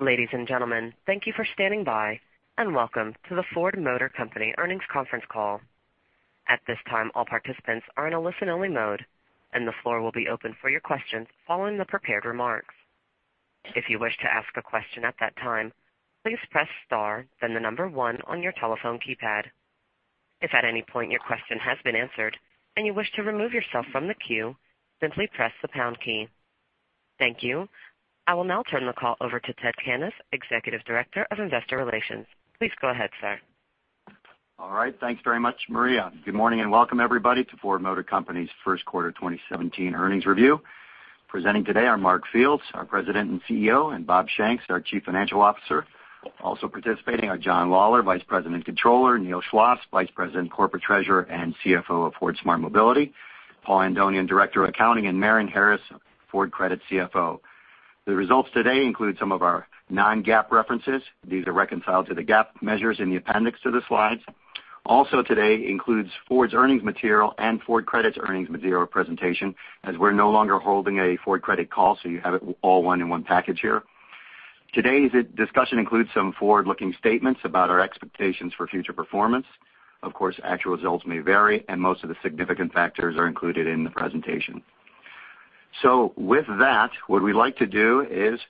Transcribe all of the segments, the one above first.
Ladies and gentlemen, thank you for standing by, and welcome to the Ford Motor Company earnings conference call. At this time, all participants are in a listen-only mode, and the floor will be open for your questions following the prepared remarks. If you wish to ask a question at that time, please press star then the number one on your telephone keypad. If at any point your question has been answered and you wish to remove yourself from the queue, simply press the pound key. Thank you. I will now turn the call over to Ted Cannis, Executive Director of Investor Relations. Please go ahead, sir. All right. Thanks very much, Maria. Good morning and welcome everybody to Ford Motor Company's first quarter 2017 earnings review. Presenting today are Mark Fields, our President and CEO, and Bob Shanks, our Chief Financial Officer. Also participating are John Lawler, Vice President Controller, Neil Schloss, Vice President Corporate Treasurer and CFO of Ford Smart Mobility, Paul Andonian, Director of Accounting, and Marion Harris, Ford Credit CFO. The results today include some of our non-GAAP references. These are reconciled to the GAAP measures in the appendix to the slides. Also today includes Ford's earnings material and Ford Credit's earnings material presentation, as we're no longer holding a Ford Credit call, so you have it all in one package here. Today's discussion includes some forward-looking statements about our expectations for future performance. Of course, actual results may vary, and most of the significant factors are included in the presentation. With that, what we'd like to do is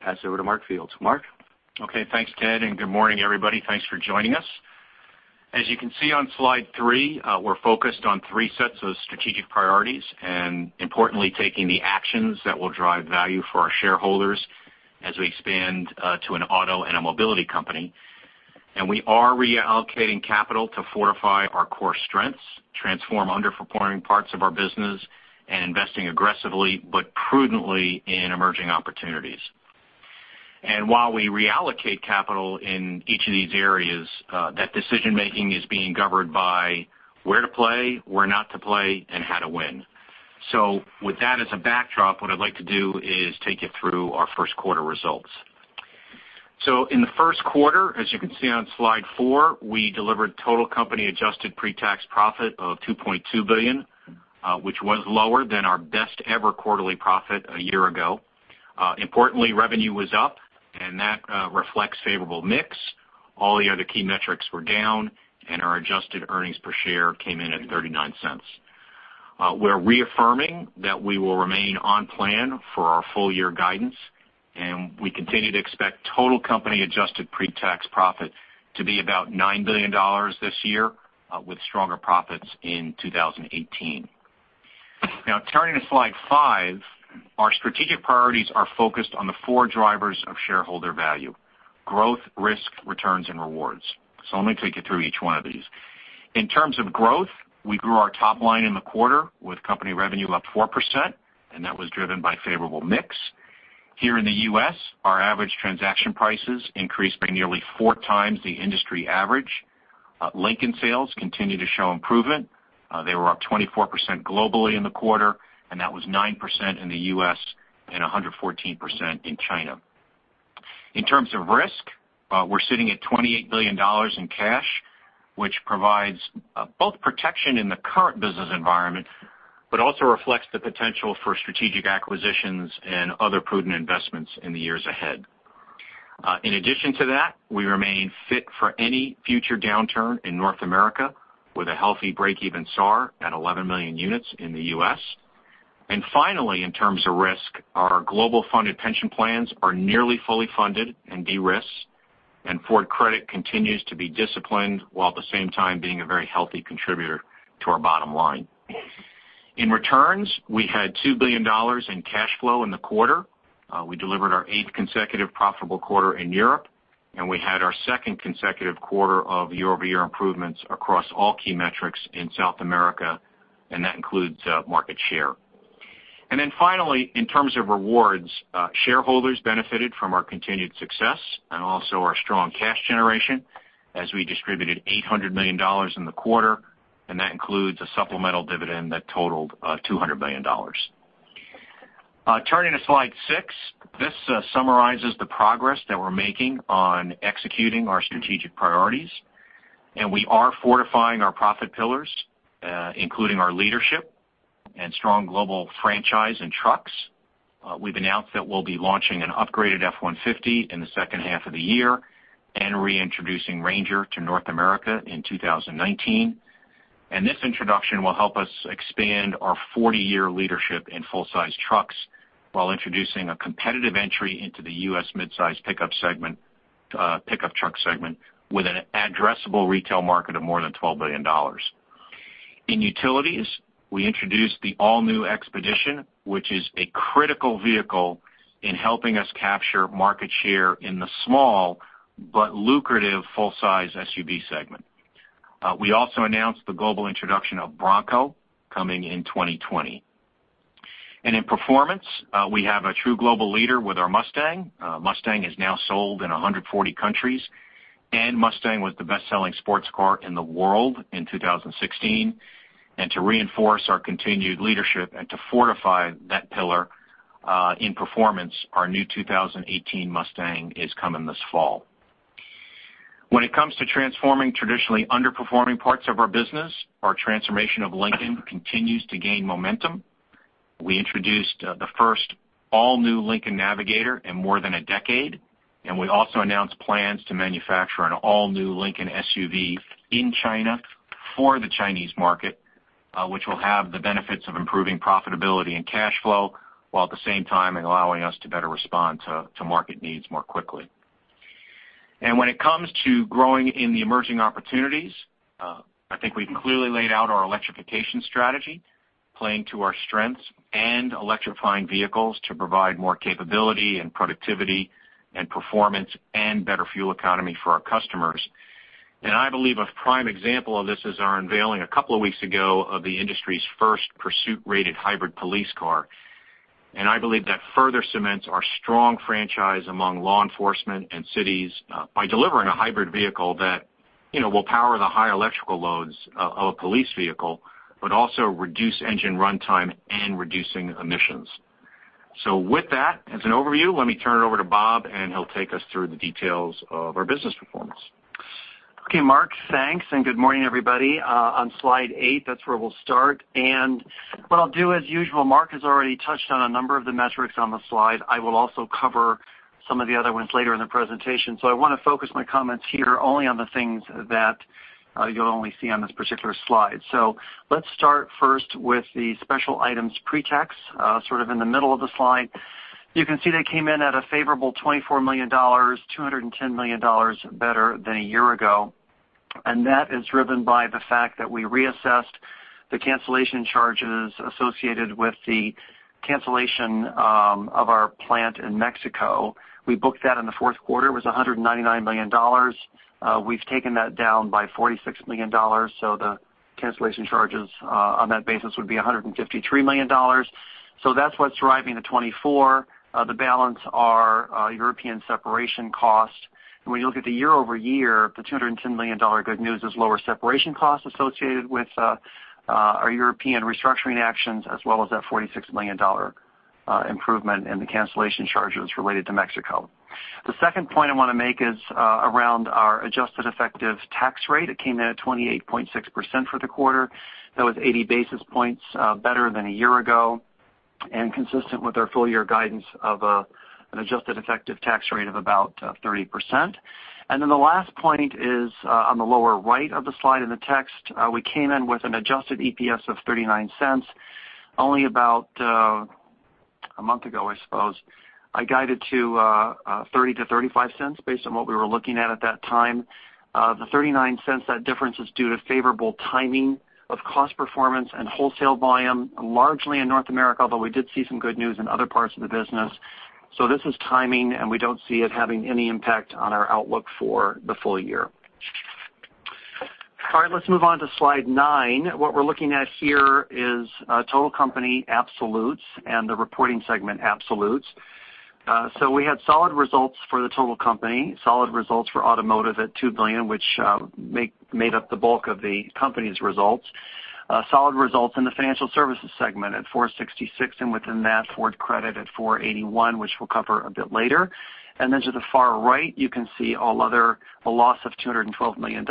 pass it over to Mark Fields. Mark? Thanks Ted, and good morning, everybody. Thanks for joining us. As you can see on slide three, we're focused on three sets of strategic priorities and importantly taking the actions that will drive value for our shareholders as we expand to an auto and a mobility company. We are reallocating capital to fortify our core strengths, transform underperforming parts of our business, and investing aggressively but prudently in emerging opportunities. While we reallocate capital in each of these areas, that decision-making is being governed by where to play, where not to play, and how to win. With that as a backdrop, what I'd like to do is take you through our first quarter results. In the first quarter, as you can see on slide four, we delivered total company adjusted pre-tax profit of $2.2 billion, which was lower than our best-ever quarterly profit a year ago. Importantly, revenue was up, and that reflects favorable mix. All the other key metrics were down, and our adjusted earnings per share came in at $0.39. We're reaffirming that we will remain on plan for our full-year guidance, and we continue to expect total company adjusted pre-tax profit to be about $9 billion this year, with stronger profits in 2018. Turning to slide five, our strategic priorities are focused on the four drivers of shareholder value: growth, risk, returns, and rewards. Let me take you through each one of these. In terms of growth, we grew our top line in the quarter with company revenue up 4%, and that was driven by favorable mix. Here in the U.S., our average transaction prices increased by nearly four times the industry average. Lincoln sales continue to show improvement. They were up 24% globally in the quarter, and that was 9% in the U.S. and 114% in China. In terms of risk, we're sitting at $28 billion in cash, which provides both protection in the current business environment, but also reflects the potential for strategic acquisitions and other prudent investments in the years ahead. In addition to that, we remain fit for any future downturn in North America with a healthy break-even SAAR at 11 million units in the U.S. Finally, in terms of risk, our global funded pension plans are nearly fully funded and de-risked, and Ford Credit continues to be disciplined, while at the same time being a very healthy contributor to our bottom line. In returns, we had $2 billion in cash flow in the quarter. We delivered our eighth consecutive profitable quarter in Europe, and we had our second consecutive quarter of year-over-year improvements across all key metrics in South America, and that includes market share. Finally, in terms of rewards, shareholders benefited from our continued success and also our strong cash generation as we distributed $800 million in the quarter, and that includes a supplemental dividend that totaled $200 million. Turning to slide six, this summarizes the progress that we're making on executing our strategic priorities. We are fortifying our profit pillars, including our leadership and strong global franchise in trucks. We've announced that we'll be launching an upgraded F-150 in the second half of the year and reintroducing Ranger to North America in 2019. This introduction will help us expand our 40-year leadership in full-size trucks while introducing a competitive entry into the U.S. midsize pickup truck segment with an addressable retail market of more than $12 billion. In utilities, we introduced the all-new Expedition, which is a critical vehicle in helping us capture market share in the small but lucrative full-size SUV segment. We also announced the global introduction of Bronco coming in 2020. In performance, we have a true global leader with our Mustang. Mustang is now sold in 140 countries, and Mustang was the best-selling sports car in the world in 2016. To reinforce our continued leadership and to fortify that pillar in performance, our new 2018 Mustang is coming this fall. When it comes to transforming traditionally underperforming parts of our business, our transformation of Lincoln continues to gain momentum. We introduced the first all-new Lincoln Navigator in more than a decade. We also announced plans to manufacture an all-new Lincoln SUV in China for the Chinese market, which will have the benefits of improving profitability and cash flow, while at the same time allowing us to better respond to market needs more quickly. When it comes to growing in the emerging opportunities, I think we've clearly laid out our electrification strategy, playing to our strengths and electrifying vehicles to provide more capability and productivity and performance and better fuel economy for our customers. I believe a prime example of this is our unveiling a couple of weeks ago of the industry's first pursuit-rated hybrid police car. I believe that further cements our strong franchise among law enforcement and cities by delivering a hybrid vehicle that will power the high electrical loads of a police vehicle, but also reduce engine runtime and reducing emissions. With that as an overview, let me turn it over to Bob and he'll take us through the details of our business performance. Okay, Mark, thanks. Good morning, everybody. On slide eight, that's where we'll start. What I'll do as usual, Mark has already touched on a number of the metrics on the slide. I will also cover some of the other ones later in the presentation. I want to focus my comments here only on the things that you'll only see on this particular slide. Let's start first with the special items pre-tax, sort of in the middle of the slide. You can see they came in at a favorable $24 million, $210 million better than a year ago. That is driven by the fact that we reassessed the cancellation charges associated with the cancellation of our plant in Mexico. We booked that in the fourth quarter. It was $199 million. We've taken that down by $46 million, the cancellation charges on that basis would be $153 million. That's what's driving the $24. The balance are European separation costs. When you look at the year-over-year, the $210 million good news is lower separation costs associated with our European restructuring actions, as well as that $46 million improvement in the cancellation charges related to Mexico. The second point I want to make is around our adjusted effective tax rate. It came in at 28.6% for the quarter. That was 80 basis points better than a year ago and consistent with our full-year guidance of an adjusted effective tax rate of about 30%. Then the last point is on the lower right of the slide in the text. We came in with an adjusted EPS of $0.39. Only about a month ago, I suppose, I guided to $0.30 to $0.35 based on what we were looking at at that time. The $0.39, that difference is due to favorable timing of cost performance and wholesale volume, largely in North America, although we did see some good news in other parts of the business. This is timing, and we don't see it having any impact on our outlook for the full year. All right, let's move on to slide nine. What we're looking at here is total company absolutes and the reporting segment absolutes. We had solid results for the total company, solid results for automotive at $2 billion, which made up the bulk of the company's results. Solid results in the financial services segment at $466 million, and within that, Ford Credit at $481 million, which we'll cover a bit later. To the far right, you can see all other, a loss of $212 million.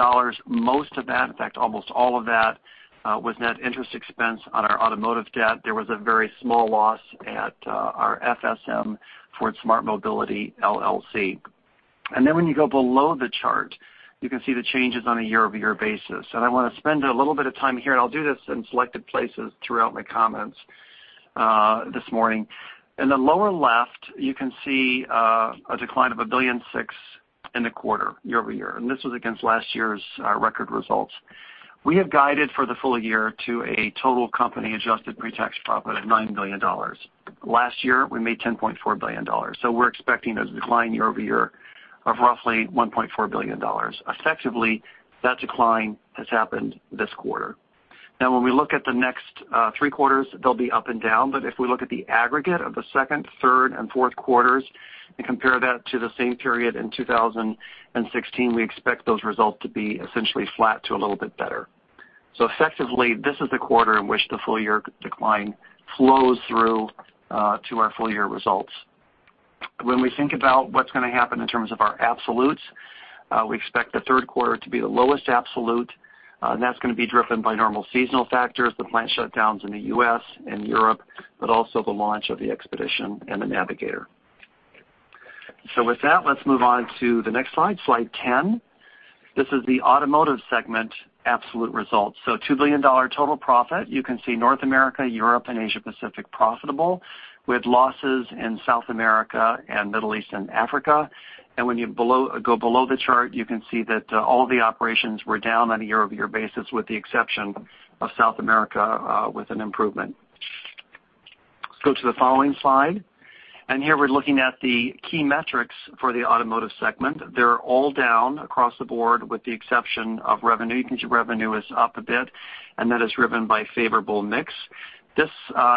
Most of that, in fact, almost all of that was net interest expense on our automotive debt. There was a very small loss at our FSM, Ford Smart Mobility LLC. When you go below the chart, you can see the changes on a year-over-year basis. I want to spend a little bit of time here, and I'll do this in selected places throughout my comments this morning. In the lower left, you can see a decline of $1.6 billion in the quarter year-over-year. This was against last year's record results. We have guided for the full year to a total company adjusted pre-tax profit of $9 billion. Last year, we made $10.4 billion. We're expecting a decline year-over-year of roughly $1.4 billion. Effectively, that decline has happened this quarter. Now when we look at the next three quarters, they'll be up and down. If we look at the aggregate of the second, third, and fourth quarters and compare that to the same period in 2016, we expect those results to be essentially flat to a little bit better. Effectively, this is the quarter in which the full-year decline flows through to our full-year results. When we think about what's going to happen in terms of our absolutes, we expect the third quarter to be the lowest absolute, and that's going to be driven by normal seasonal factors, the plant shutdowns in the U.S. and Europe, but also the launch of the Expedition and the Navigator. With that, let's move on to the next slide 10. This is the automotive segment absolute results. $2 billion total profit. You can see North America, Europe, and Asia Pacific profitable with losses in South America and Middle East and Africa. When you go below the chart, you can see that all the operations were down on a year-over-year basis with the exception of South America with an improvement. Let's go to the following slide. Here we're looking at the key metrics for the automotive segment. They're all down across the board with the exception of revenue. You can see revenue is up a bit, and that is driven by favorable mix.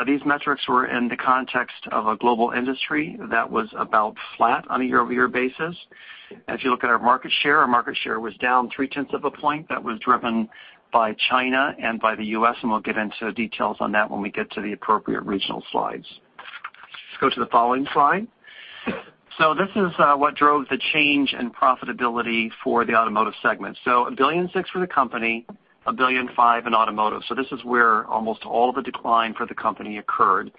These metrics were in the context of a global industry that was about flat on a year-over-year basis. As you look at our market share, our market share was down 3/10 of a point. That was driven by China and by the U.S., We'll get into details on that when we get to the appropriate regional slides. Go to the following slide. This is what drove the change in profitability for the automotive segment. $1.6 billion for the company, $1.5 billion in automotive. This is where almost all the decline for the company occurred.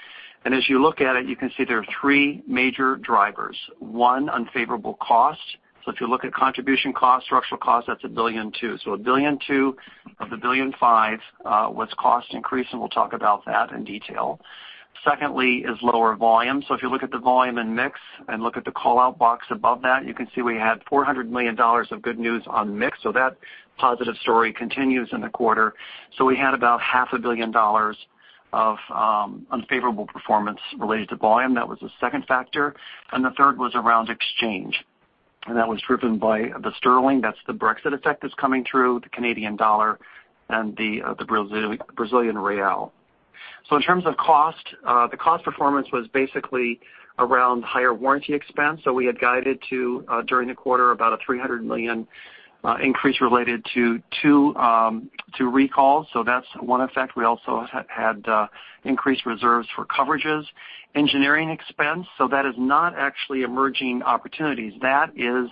As you look at it, you can see there are three major drivers. One, unfavorable costs. If you look at contribution costs, structural costs, that's $1.2 billion. $1.2 billion of the $1.5 billion was cost increase, and we'll talk about that in detail. Secondly is lower volume. If you look at the volume and mix and look at the call-out box above that, you can see we had $400 million of good news on mix. That positive story continues in the quarter. We had about half a billion dollars of unfavorable performance related to volume. That was the second factor. The third was around exchange. That was driven by the sterling, that's the Brexit effect that's coming through, the Canadian dollar, and the Brazilian real. In terms of cost, the cost performance was basically around higher warranty expense. We had guided to, during the quarter, about a $300 million increase related to two recalls. That's one effect. We also had increased reserves for coverages. Engineering expense, that is not actually emerging opportunities. That is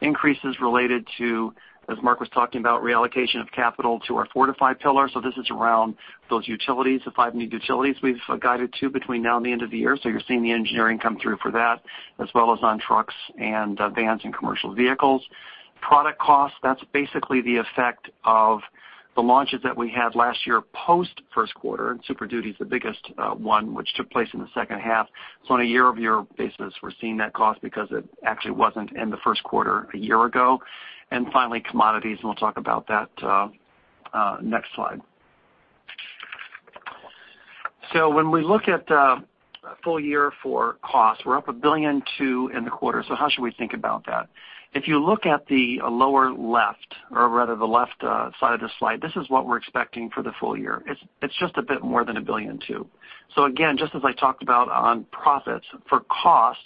increases related to, as Mark was talking about, reallocation of capital to our fortified pillar. This is around those utilities, the five new utilities we've guided to between now and the end of the year. You're seeing the engineering come through for that, as well as on trucks and vans and commercial vehicles. Product costs, that's basically the effect of the launches that we had last year post first quarter. Super Duty's the biggest one, which took place in the second half. On a year-over-year basis, we're seeing that cost because it actually wasn't in the first quarter a year ago. Finally, commodities, We'll talk about that next slide. When we look at full year for cost, we're up $1.2 billion in the quarter. How should we think about that? If you look at the lower left, or rather the left side of the slide, this is what we're expecting for the full year. It's just a bit more than $1.2 billion. Again, just as I talked about on profits, for cost,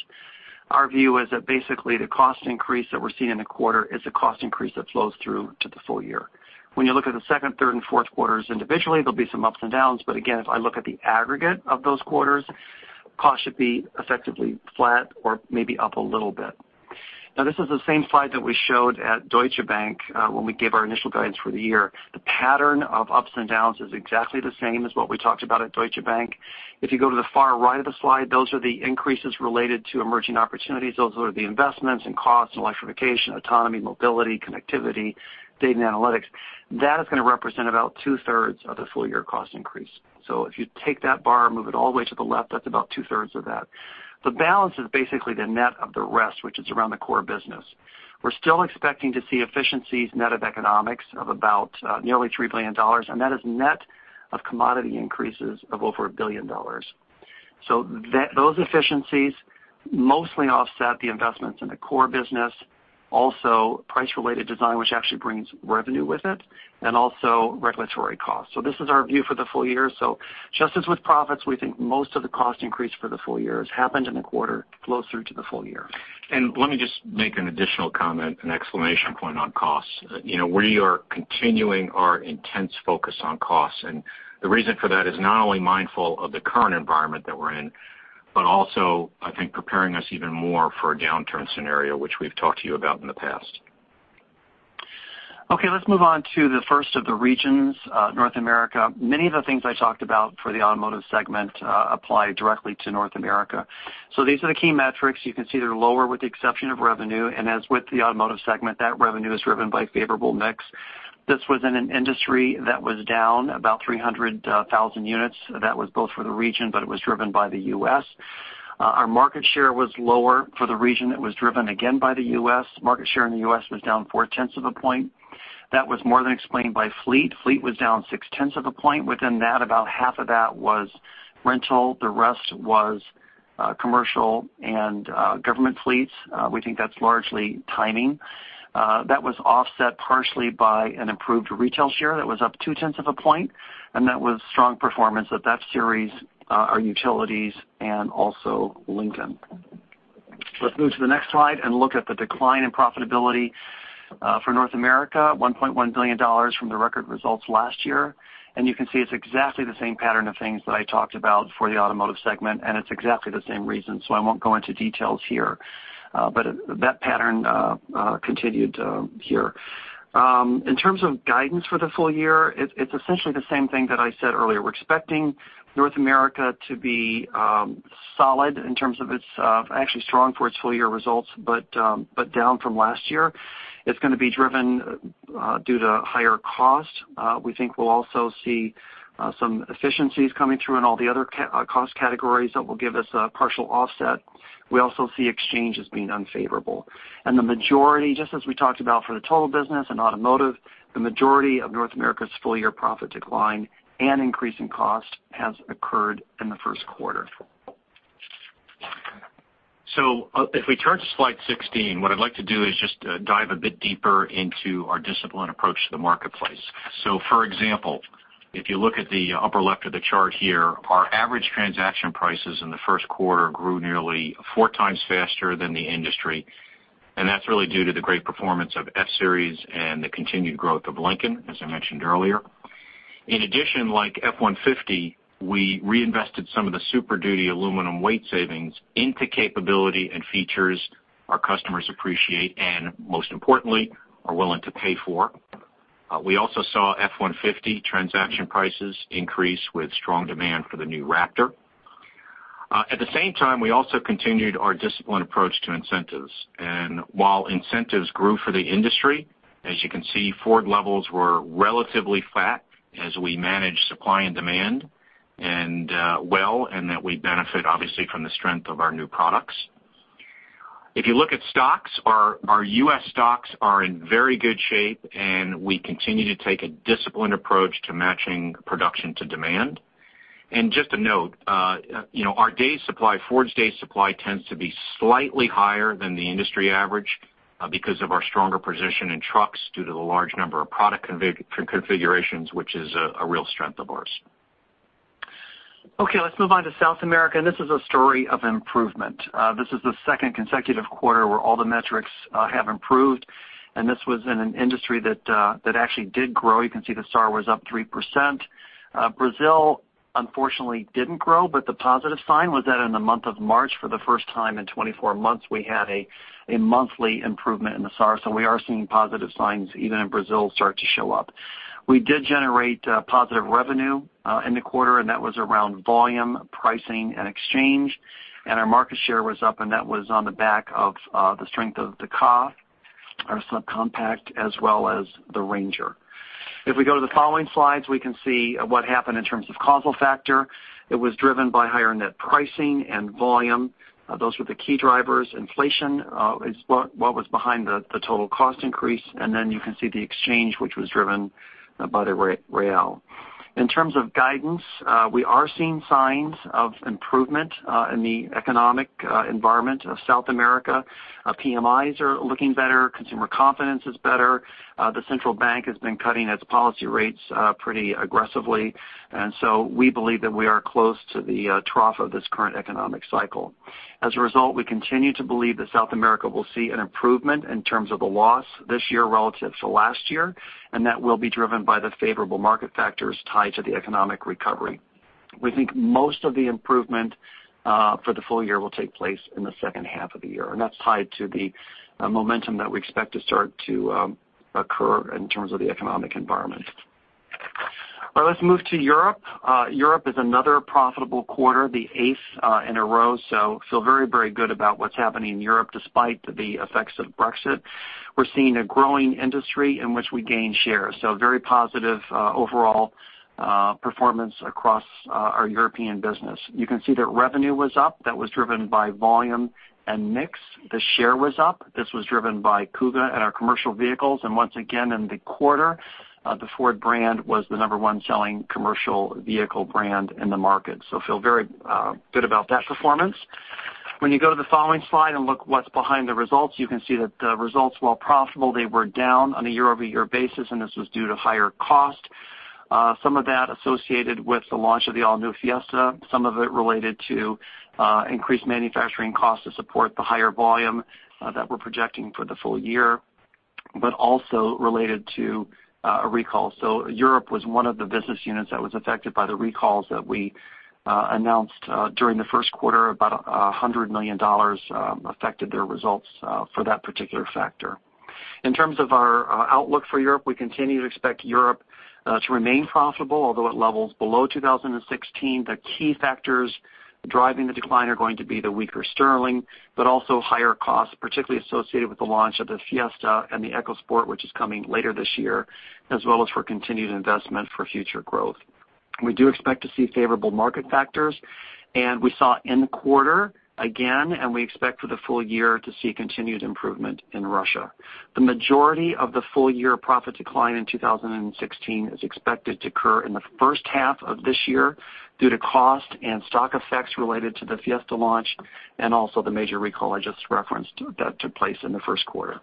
our view is that basically the cost increase that we're seeing in the quarter is a cost increase that flows through to the full year. When you look at the second, third, and fourth quarters individually, there'll be some ups and downs, Again, if I look at the aggregate of those quarters, cost should be effectively flat or maybe up a little bit. This is the same slide that we showed at Deutsche Bank when we gave our initial guidance for the year. The pattern of ups and downs is exactly the same as what we talked about at Deutsche Bank. You go to the far right of the slide, those are the increases related to emerging opportunities. Those are the investments in cost, in electrification, autonomy, mobility, connectivity, data and analytics. That is going to represent about two-thirds of the full-year cost increase. If you take that bar and move it all the way to the left, that's about two-thirds of that. The balance is basically the net of the rest, which is around the core business. We're still expecting to see efficiencies net of economics of about nearly $3 billion, and that is net of commodity increases of over $1 billion. Those efficiencies mostly offset the investments in the core business, also price-related design, which actually brings revenue with it, and also regulatory costs. This is our view for the full year. Just as with profits, we think most of the cost increase for the full year has happened in the quarter, flows through to the full year. Let me just make an additional comment and explanation point on costs. We are continuing our intense focus on costs. The reason for that is not only mindful of the current environment that we're in, but also I think preparing us even more for a downturn scenario, which we've talked to you about in the past. Let's move on to the first of the regions, North America. Many of the things I talked about for the automotive segment apply directly to North America. These are the key metrics. You can see they're lower with the exception of revenue. As with the automotive segment, that revenue is driven by favorable mix. This was in an industry that was down about 300,000 units. That was both for the region, but it was driven by the U.S. Our market share was lower for the region. It was driven, again, by the U.S. Market share in the U.S. was down four-tenths of a point. That was more than explained by fleet. Fleet was down six-tenths of a point. Within that, about half of that was rental. The rest was commercial and government fleets. We think that's largely timing. That was offset partially by an improved retail share that was up two-tenths of a point, and that was strong performance at F-Series, our utilities, and also Lincoln. Let's move to the next slide and look at the decline in profitability for North America, $1.1 billion from the record results last year. You can see it's exactly the same pattern of things that I talked about for the automotive segment, and it's exactly the same reason, I won't go into details here. That pattern continued here. In terms of guidance for the full year, it's essentially the same thing that I said earlier. We're expecting North America to be actually strong for its full-year results, but down from last year. It's going to be driven due to higher cost. We think we'll also see some efficiencies coming through in all the other cost categories that will give us a partial offset. We also see exchanges being unfavorable. The majority, just as we talked about for the total business and automotive, the majority of North America's full-year profit decline and increase in cost has occurred in the first quarter. If we turn to slide 16, what I'd like to do is just dive a bit deeper into our disciplined approach to the marketplace. For example, if you look at the upper left of the chart here, our average transaction prices in the first quarter grew nearly four times faster than the industry. That's really due to the great performance of F-Series and the continued growth of Lincoln, as I mentioned earlier. In addition, like F-150, we reinvested some of the Super Duty aluminum weight savings into capability and features our customers appreciate and most importantly, are willing to pay for. We also saw F-150 transaction prices increase with strong demand for the new Raptor. At the same time, we also continued our disciplined approach to incentives. While incentives grew for the industry, as you can see, Ford levels were relatively flat as we managed supply and demand well, and that we benefit, obviously, from the strength of our new products. If you look at stocks, our U.S. stocks are in very good shape, and we continue to take a disciplined approach to matching production to demand. Just a note, Ford's day supply tends to be slightly higher than the industry average because of our stronger position in trucks due to the large number of product configurations, which is a real strength of ours. Let's move on to South America, this is a story of improvement. This is the second consecutive quarter where all the metrics have improved, and this was in an industry that actually did grow. You can see the SAAR was up 3%. Brazil, unfortunately, didn't grow, but the positive sign was that in the month of March, for the first time in 24 months, we had a monthly improvement in the SAAR. We are seeing positive signs even in Brazil start to show up. We did generate positive revenue in the quarter, and that was around volume, pricing, and exchange. Our market share was up, and that was on the back of the strength of the Ka, our subcompact, as well as the Ranger. If we go to the following slides, we can see what happened in terms of causal factor. It was driven by higher net pricing and volume. Those were the key drivers. Inflation is what was behind the total cost increase. Then you can see the exchange, which was driven by the Brazilian real. In terms of guidance, we are seeing signs of improvement in the economic environment of South America. PMIs are looking better. Consumer confidence is better. The central bank has been cutting its policy rates pretty aggressively. We believe that we are close to the trough of this current economic cycle. As a result, we continue to believe that South America will see an improvement in terms of the loss this year relative to last year, and that will be driven by the favorable market factors tied to the economic recovery. We think most of the improvement for the full year will take place in the second half of the year, and that's tied to the momentum that we expect to start to occur in terms of the economic environment. All right, let's move to Europe. Europe is another profitable quarter, the eighth in a row. Feel very, very good about what's happening in Europe despite the effects of Brexit. We're seeing a growing industry in which we gain share. Very positive overall performance across our European business. You can see that revenue was up. That was driven by volume and mix. The share was up. This was driven by Kuga and our commercial vehicles. Once again, in the quarter, the Ford brand was the number one selling commercial vehicle brand in the market. Feel very good about that performance. When you go to the following slide and look what's behind the results, you can see that the results, while profitable, they were down on a year-over-year basis, and this was due to higher cost. Some of that associated with the launch of the all-new Fiesta, some of it related to increased manufacturing costs to support the higher volume that we're projecting for the full year, but also related to a recall. Europe was one of the business units that was affected by the recalls that we announced during the first quarter. About $100 million affected their results for that particular factor. In terms of our outlook for Europe, we continue to expect Europe to remain profitable, although at levels below 2016. The key factors driving the decline are going to be the weaker sterling, but also higher costs, particularly associated with the launch of the Fiesta and the EcoSport, which is coming later this year, as well as for continued investment for future growth. We do expect to see favorable market factors. We saw in the quarter again, and we expect for the full year to see continued improvement in Russia. The majority of the full-year profit decline in 2016 is expected to occur in the first half of this year due to cost and stock effects related to the Fiesta launch and also the major recall I just referenced that took place in the first quarter.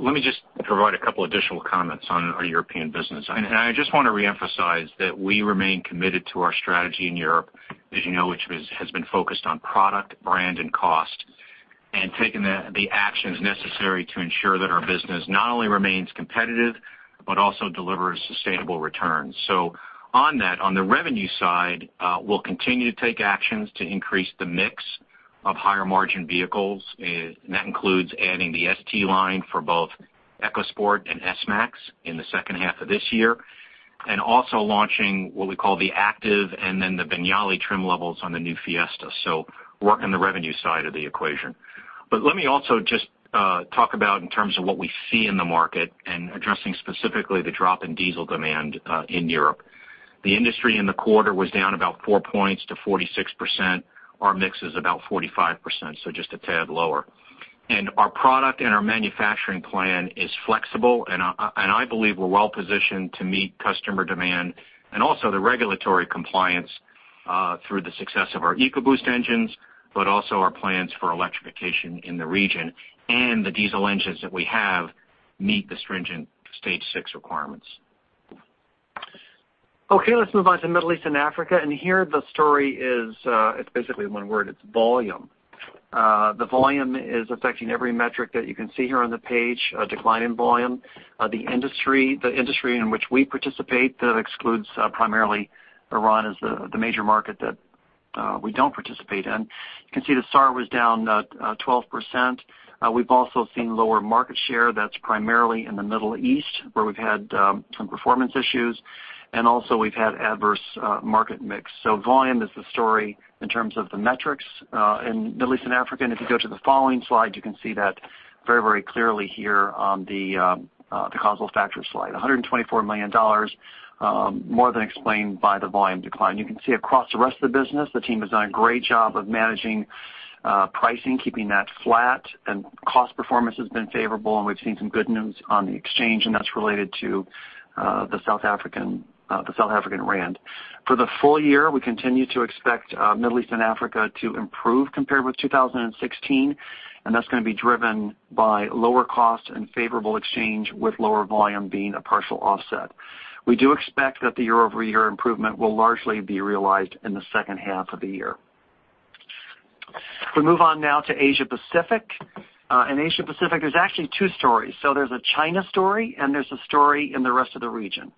Let me just provide a couple additional comments on our European business. I just want to reemphasize that we remain committed to our strategy in Europe, as you know, which has been focused on product, brand, and cost, and taking the actions necessary to ensure that our business not only remains competitive but also delivers sustainable returns. On that, on the revenue side, we'll continue to take actions to increase the mix of higher-margin vehicles. That includes adding the ST-Line for both EcoSport and S-MAX in the second half of this year, and also launching what we call the Active and then the Vignale trim levels on the new Fiesta. Work on the revenue side of the equation. Let me also just talk about in terms of what we see in the market and addressing specifically the drop in diesel demand in Europe. The industry in the quarter was down about four points to 46%. Our mix is about 45%, just a tad lower. Our product and our manufacturing plan is flexible, and I believe we're well positioned to meet customer demand and also the regulatory compliance through the success of our EcoBoost engines, but also our plans for electrification in the region and the diesel engines that we have meet the stringent Euro 6 requirements. Let's move on to Middle East and Africa. Here the story is basically one word, it's volume The volume is affecting every metric that you can see here on the page, a decline in volume. The industry in which we participate, that excludes primarily Iran as the major market that we don't participate in. You can see the SAAR was down 12%. We've also seen lower market share that's primarily in the Middle East, where we've had some performance issues, and also we've had adverse market mix. Volume is the story in terms of the metrics in Middle East and Africa. If you go to the following slide, you can see that very clearly here on the causal factors slide. $124 million, more than explained by the volume decline. You can see across the rest of the business, the team has done a great job of managing pricing, keeping that flat, and cost performance has been favorable. We've seen some good news on the exchange, that's related to the ZAR. For the full year, we continue to expect Middle East and Africa to improve compared with 2016, that's going to be driven by lower costs and favorable exchange with lower volume being a partial offset. We do expect that the year-over-year improvement will largely be realized in the second half of the year. If we move on now to Asia Pacific. In Asia Pacific, there's actually two stories. There's a China story and there's a story in the rest of the region.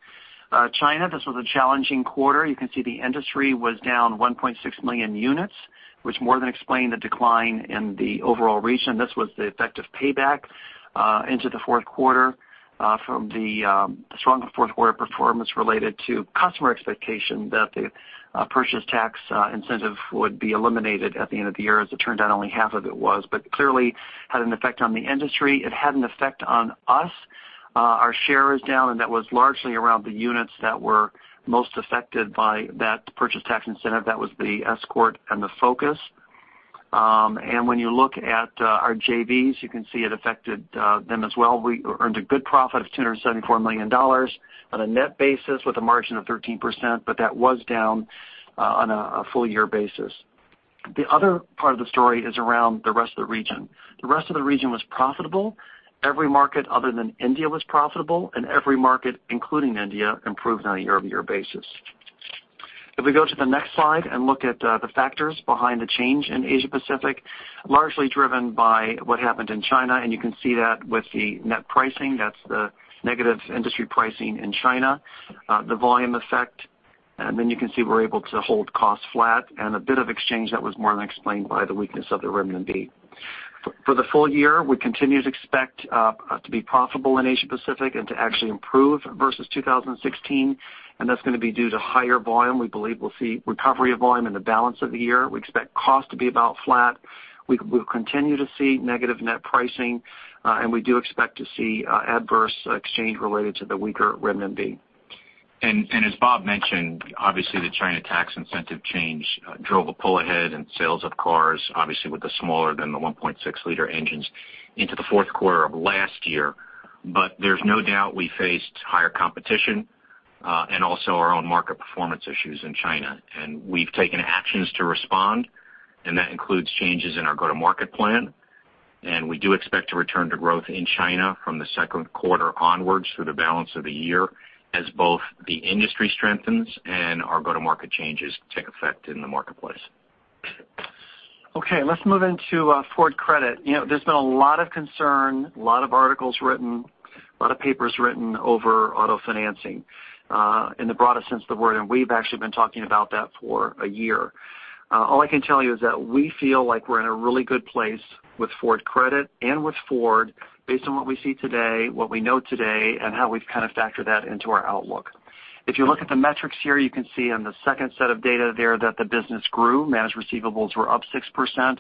China, this was a challenging quarter. You can see the industry was down 1.6 million units, which more than explained the decline in the overall region. This was the effective payback into the fourth quarter from the strong fourth quarter performance related to customer expectation that the purchase tax incentive would be eliminated at the end of the year. As it turned out, only half of it was, but clearly had an effect on the industry. It had an effect on us. Our share is down, and that was largely around the units that were most affected by that purchase tax incentive. That was the Escort and the Focus. When you look at our JVs, you can see it affected them as well. We earned a good profit of $274 million on a net basis with a margin of 13%, but that was down on a full year basis. The other part of the story is around the rest of the region. The rest of the region was profitable. Every market other than India was profitable, and every market, including India, improved on a year-over-year basis. If we go to the next slide and look at the factors behind the change in Asia Pacific, largely driven by what happened in China. You can see that with the net pricing. That's the negative industry pricing in China, the volume effect. Then you can see we're able to hold costs flat and a bit of exchange that was more than explained by the weakness of the renminbi. For the full year, we continue to expect to be profitable in Asia Pacific and to actually improve versus 2016. That's going to be due to higher volume. We believe we'll see recovery of volume in the balance of the year. We expect cost to be about flat. We'll continue to see negative net pricing. We do expect to see adverse exchange related to the weaker renminbi. As Bob mentioned, obviously the China tax incentive change drove a pull ahead in sales of cars, obviously with the smaller than the 1.6 liter engines into the fourth quarter of last year. There's no doubt we faced higher competition, and also our own market performance issues in China. We've taken actions to respond, and that includes changes in our go-to-market plan. We do expect to return to growth in China from the second quarter onwards through the balance of the year as both the industry strengthens and our go-to-market changes take effect in the marketplace. Let's move into Ford Credit. There has been a lot of concern, a lot of articles written, a lot of papers written over auto financing in the broadest sense of the word, and we have actually been talking about that for a year. All I can tell you is that we feel like we are in a really good place with Ford Credit and with Ford based on what we see today, what we know today, and how we have kind of factored that into our outlook. If you look at the metrics here, you can see on the second set of data there that the business grew. Managed receivables were up 6%.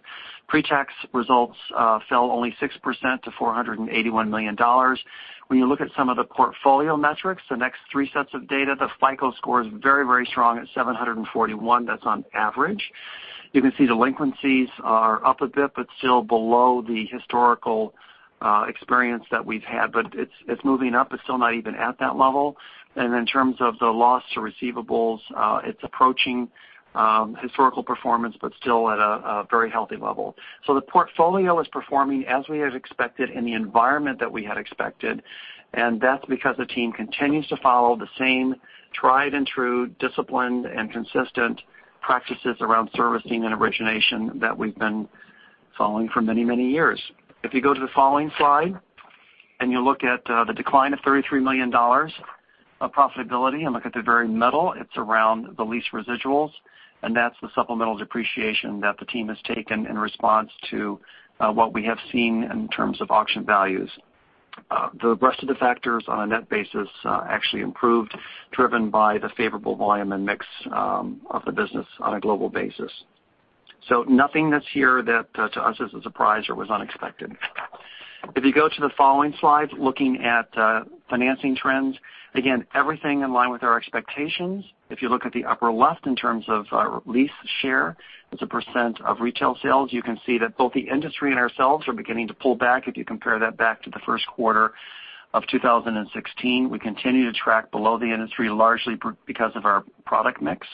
Pre-tax results fell only 6% to $481 million. When you look at some of the portfolio metrics, the next three sets of data, the FICO score is very strong at 741. That is on average. You can see delinquencies are up a bit, but still below the historical experience that we have had. It is moving up. It is still not even at that level. In terms of the loss to receivables, it is approaching historical performance, but still at a very healthy level. The portfolio is performing as we had expected in the environment that we had expected, and that is because the team continues to follow the same tried and true, disciplined, and consistent practices around servicing and origination that we have been following for many years. If you go to the following slide and you look at the decline of $33 million of profitability and look at the very middle, it is around the lease residuals, and that is the supplemental depreciation that the team has taken in response to what we have seen in terms of auction values. The rest of the factors on a net basis actually improved, driven by the favorable volume and mix of the business on a global basis. Nothing that is here that to us is a surprise or was unexpected. If you go to the following slide, looking at financing trends, again, everything in line with our expectations. If you look at the upper left in terms of lease share as a percent of retail sales, you can see that both the industry and ourselves are beginning to pull back if you compare that back to the first quarter of 2016. We continue to track below the industry largely because of our product mix.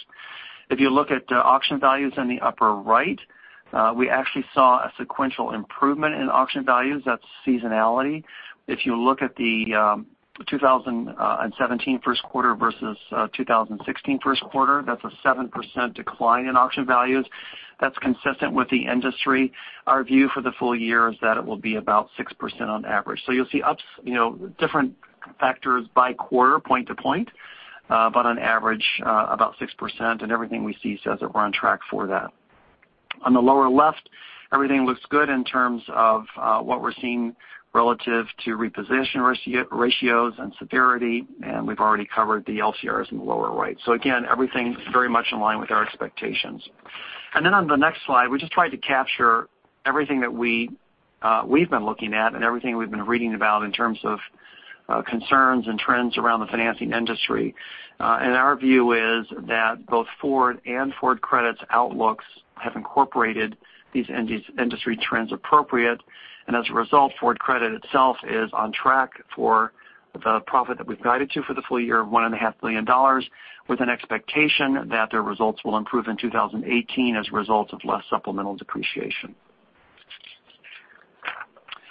If you look at the auction values in the upper right, we actually saw a sequential improvement in auction values. That is seasonality. If you look at the 2017 first quarter versus 2016 first quarter, that is a 7% decline in auction values. That is consistent with the industry. Our view for the full year is that it will be about 6% on average. You will see different factors by quarter point to point, but on average about 6%, and everything we see says that we are on track for that. On the lower left, everything looks good in terms of what we are seeing relative to repossession ratios and severity, and we have already covered the LCRs in the lower right. Again, everything very much in line with our expectations. Then on the next slide, we just tried to capture everything that we have been looking at and everything we have been reading about in terms of concerns and trends around the financing industry. Our view is that both Ford and Ford Credit's outlooks have incorporated these industry trends appropriate. As a result, Ford Credit itself is on track for the profit that we've guided to for the full year of $1.5 billion, with an expectation that their results will improve in 2018 as a result of less supplemental depreciation.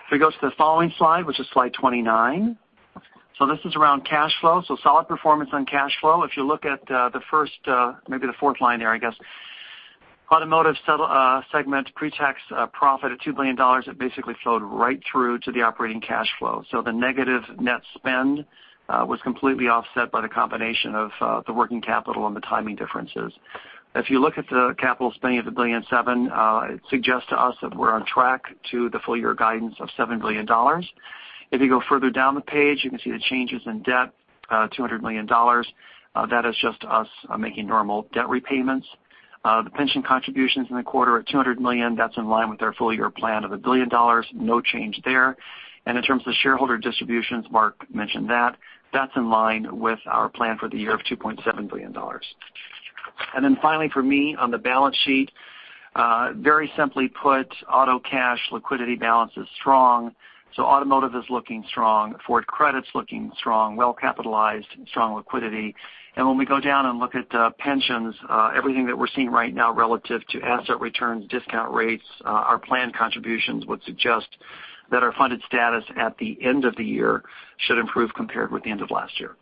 If we go to the following slide, which is slide 29. This is around cash flow. Solid performance on cash flow. If you look at maybe the fourth line there, I guess. Automotive segment pretax profit of $2 billion, it basically flowed right through to the operating cash flow. The negative net spend was completely offset by the combination of the working capital and the timing differences. If you look at the capital spending of the $1.7 billion, it suggests to us that we're on track to the full year guidance of $7 billion. If you go further down the page, you can see the changes in debt, $200 million. That is just us making normal debt repayments. The pension contributions in the quarter at $200 million, that's in line with our full-year plan of $1 billion. No change there. In terms of shareholder distributions, Mark mentioned that. That's in line with our plan for the year of $2.7 billion. Finally for me on the balance sheet, very simply put, auto cash liquidity balance is strong. Automotive is looking strong, Ford Credit's looking strong, well-capitalized, strong liquidity. When we go down and look at pensions, everything that we're seeing right now relative to asset returns, discount rates, our plan contributions would suggest that our funded status at the end of the year should improve compared with the end of last year.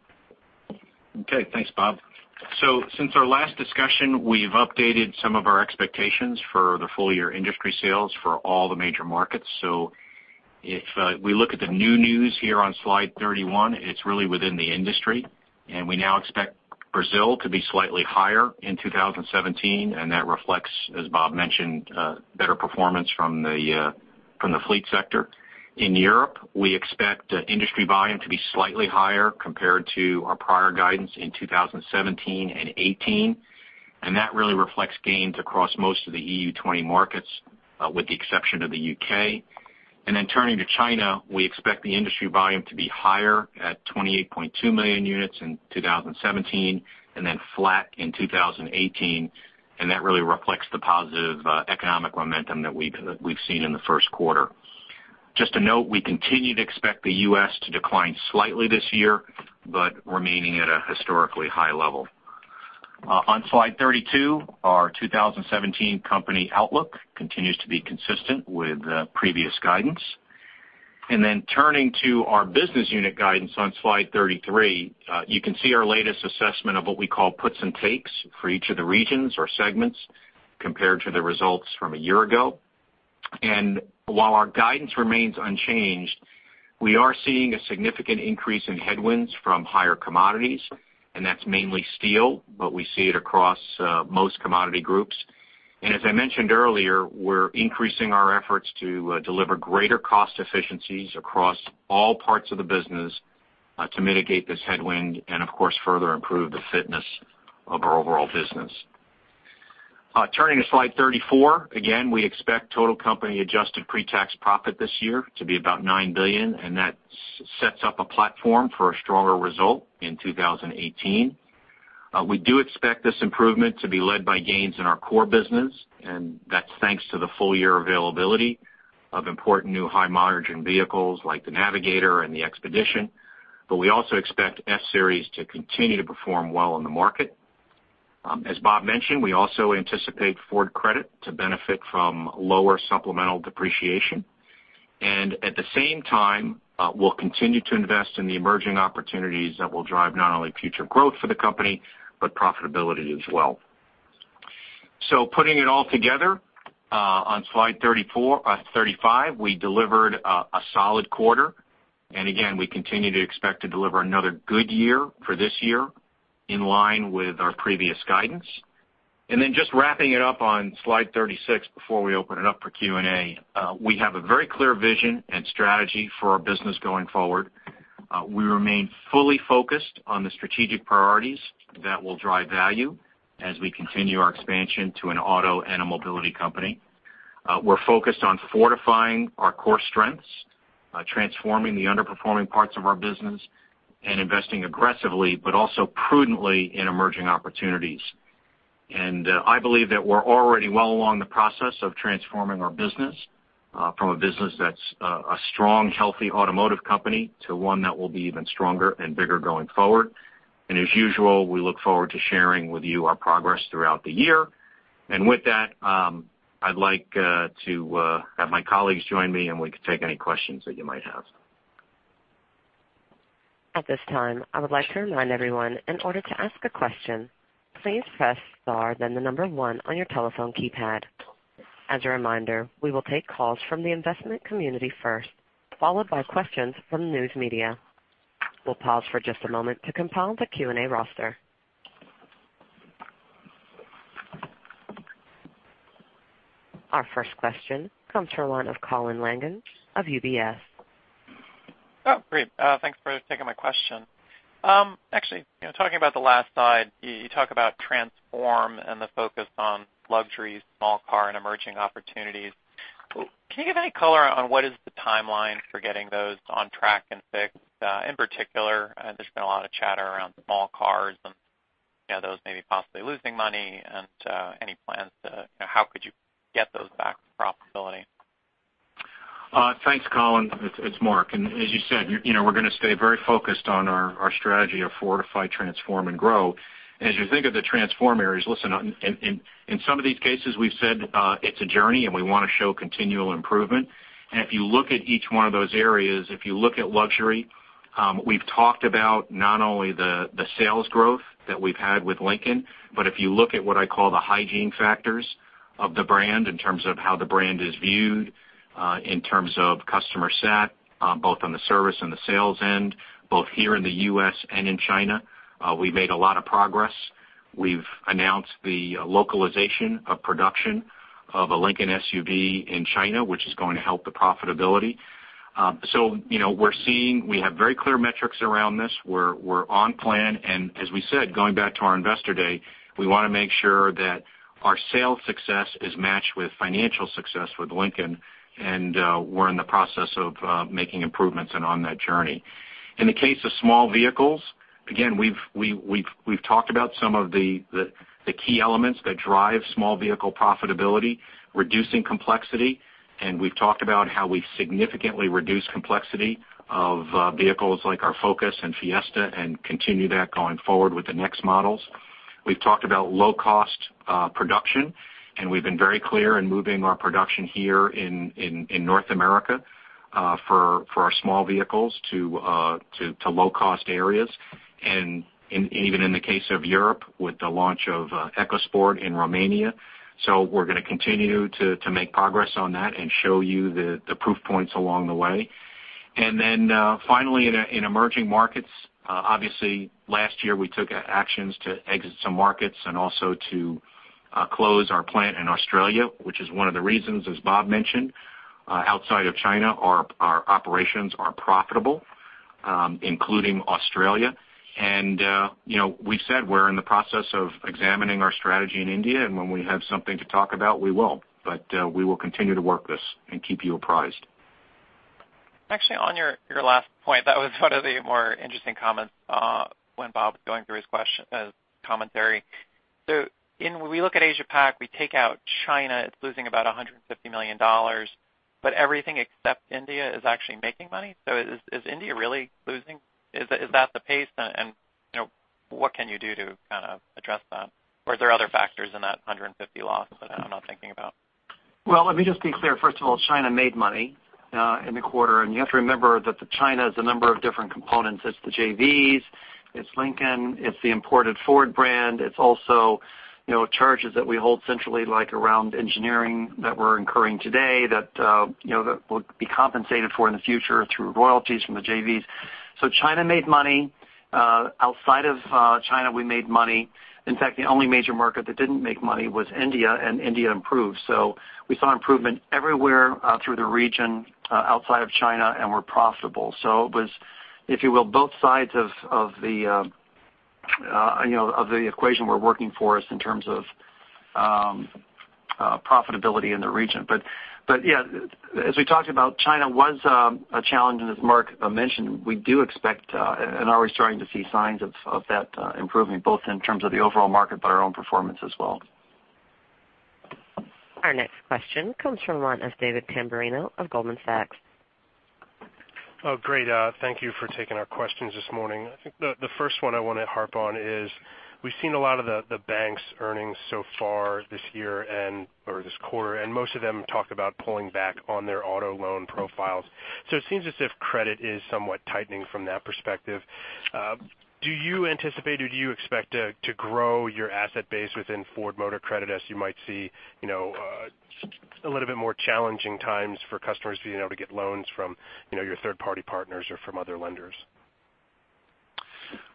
Okay, thanks, Bob. Since our last discussion, we've updated some of our expectations for the full year industry sales for all the major markets. If we look at the new news here on slide 31, it's really within the industry, we now expect Brazil to be slightly higher in 2017, that reflects, as Bob mentioned, better performance from the fleet sector. In Europe, we expect industry volume to be slightly higher compared to our prior guidance in 2017 and 2018, that really reflects gains across most of the EU 20 markets, with the exception of the U.K. Turning to China, we expect the industry volume to be higher at 28.2 million units in 2017 and then flat in 2018, that really reflects the positive economic momentum that we've seen in the first quarter. Just a note, we continue to expect the U.S. to decline slightly this year, but remaining at a historically high level. On slide 32, our 2017 company outlook continues to be consistent with previous guidance. Turning to our business unit guidance on slide 33, you can see our latest assessment of what we call puts and takes for each of the regions or segments compared to the results from a year ago. While our guidance remains unchanged, we are seeing a significant increase in headwinds from higher commodities, that's mainly steel, but we see it across most commodity groups. As I mentioned earlier, we're increasing our efforts to deliver greater cost efficiencies across all parts of the business to mitigate this headwind and of course, further improve the fitness of our overall business. Turning to slide 34, again, we expect total company adjusted pretax profit this year to be about $9 billion, that sets up a platform for a stronger result in 2018. We do expect this improvement to be led by gains in our core business, that's thanks to the full year availability of important new high-margin vehicles like the Navigator and the Expedition. We also expect F-Series to continue to perform well in the market. As Bob mentioned, we also anticipate Ford Credit to benefit from lower supplemental depreciation. At the same time, we'll continue to invest in the emerging opportunities that will drive not only future growth for the company, but profitability as well. Putting it all together, on slide 35, we delivered a solid quarter. Again, we continue to expect to deliver another good year for this year in line with our previous guidance. Just wrapping it up on slide 36 before we open it up for Q&A. We have a very clear vision and strategy for our business going forward. We remain fully focused on the strategic priorities that will drive value as we continue our expansion to an auto and a mobility company. We're focused on fortifying our core strengths, transforming the underperforming parts of our business, investing aggressively but also prudently in emerging opportunities. I believe that we're already well along the process of transforming our business. From a business that's a strong, healthy automotive company to one that will be even stronger and bigger going forward. As usual, we look forward to sharing with you our progress throughout the year. With that, I'd like to have my colleagues join me, we can take any questions that you might have. At this time, I would like to remind everyone, in order to ask a question, please press star, then the number 1 on your telephone keypad. As a reminder, we will take calls from the investment community first, followed by questions from news media. We'll pause for just a moment to compile the Q&A roster. Our first question comes from the line of Colin Langan of UBS. Great. Thanks for taking my question. Actually, talking about the last slide, you talk about transform and the focus on luxury, small car, and emerging opportunities. Can you give any color on what is the timeline for getting those on track and fixed? In particular, there's been a lot of chatter around small cars and those maybe possibly losing money and any plans to how could you get those back to profitability? Thanks, Colin. It's Mark, as you said, we're going to stay very focused on our strategy of fortify, transform, and grow. As you think of the transform areas, listen, in some of these cases, we've said it's a journey, and we want to show continual improvement. If you look at each one of those areas, if you look at luxury, we've talked about not only the sales growth that we've had with Lincoln, but if you look at what I call the hygiene factors of the brand in terms of how the brand is viewed, in terms of customer sat, both on the service and the sales end, both here in the U.S. and in China, we've made a lot of progress. We've announced the localization of production of a Lincoln SUV in China, which is going to help the profitability. We have very clear metrics around this. We're on plan, and as we said, going back to our investor day, we want to make sure that our sales success is matched with financial success with Lincoln, and we're in the process of making improvements and on that journey. In the case of small vehicles, again, we've talked about some of the key elements that drive small vehicle profitability, reducing complexity, and we've talked about how we've significantly reduced complexity of vehicles like our Focus and Fiesta and continue that going forward with the next models. We've talked about low-cost production, and we've been very clear in moving our production here in North America for our small vehicles to low-cost areas. Even in the case of Europe with the launch of EcoSport in Romania. We're going to continue to make progress on that and show you the proof points along the way. Finally, in emerging markets, obviously last year we took actions to exit some markets and also to close our plant in Australia, which is one of the reasons, as Bob mentioned, outside of China, our operations are profitable, including Australia. We've said we're in the process of examining our strategy in India, and when we have something to talk about, we will. We will continue to work this and keep you apprised. Actually, on your last point, that was one of the more interesting comments when Bob was going through his commentary. When we look at Asia-Pac, we take out China, it's losing about $150 million, but everything except India is actually making money. Is India really losing? Is that the pace and what can you do to kind of address that? Are there other factors in that $150 loss that I'm not thinking about? Well, let me just be clear. First of all, China made money in the quarter, and you have to remember that China has a number of different components. It's the JVs, it's Lincoln, it's the imported Ford brand. It's also charges that we hold centrally around engineering that we're incurring today that will be compensated for in the future through royalties from the JVs. China made money. Outside of China, we made money. In fact, the only major market that didn't make money was India, and India improved. We saw improvement everywhere through the region outside of China, and we're profitable. It was, if you will, both sides of the equation were working for us in terms of profitability in the region. Yeah, as we talked about, China was a challenge, and as Mark mentioned, we do expect and are starting to see signs of that improving, both in terms of the overall market, but our own performance as well. Our next question comes from the line of David Tamberrino of Goldman Sachs. Great. Thank you for taking our questions this morning. I think the first one I want to harp on is, we've seen a lot of the banks' earnings so far this year or this quarter, and most of them talked about pulling back on their auto loan profiles. It seems as if credit is somewhat tightening from that perspective. Do you anticipate or do you expect to grow your asset base within Ford Motor Credit as you might see a little bit more challenging times for customers being able to get loans from your third-party partners or from other lenders?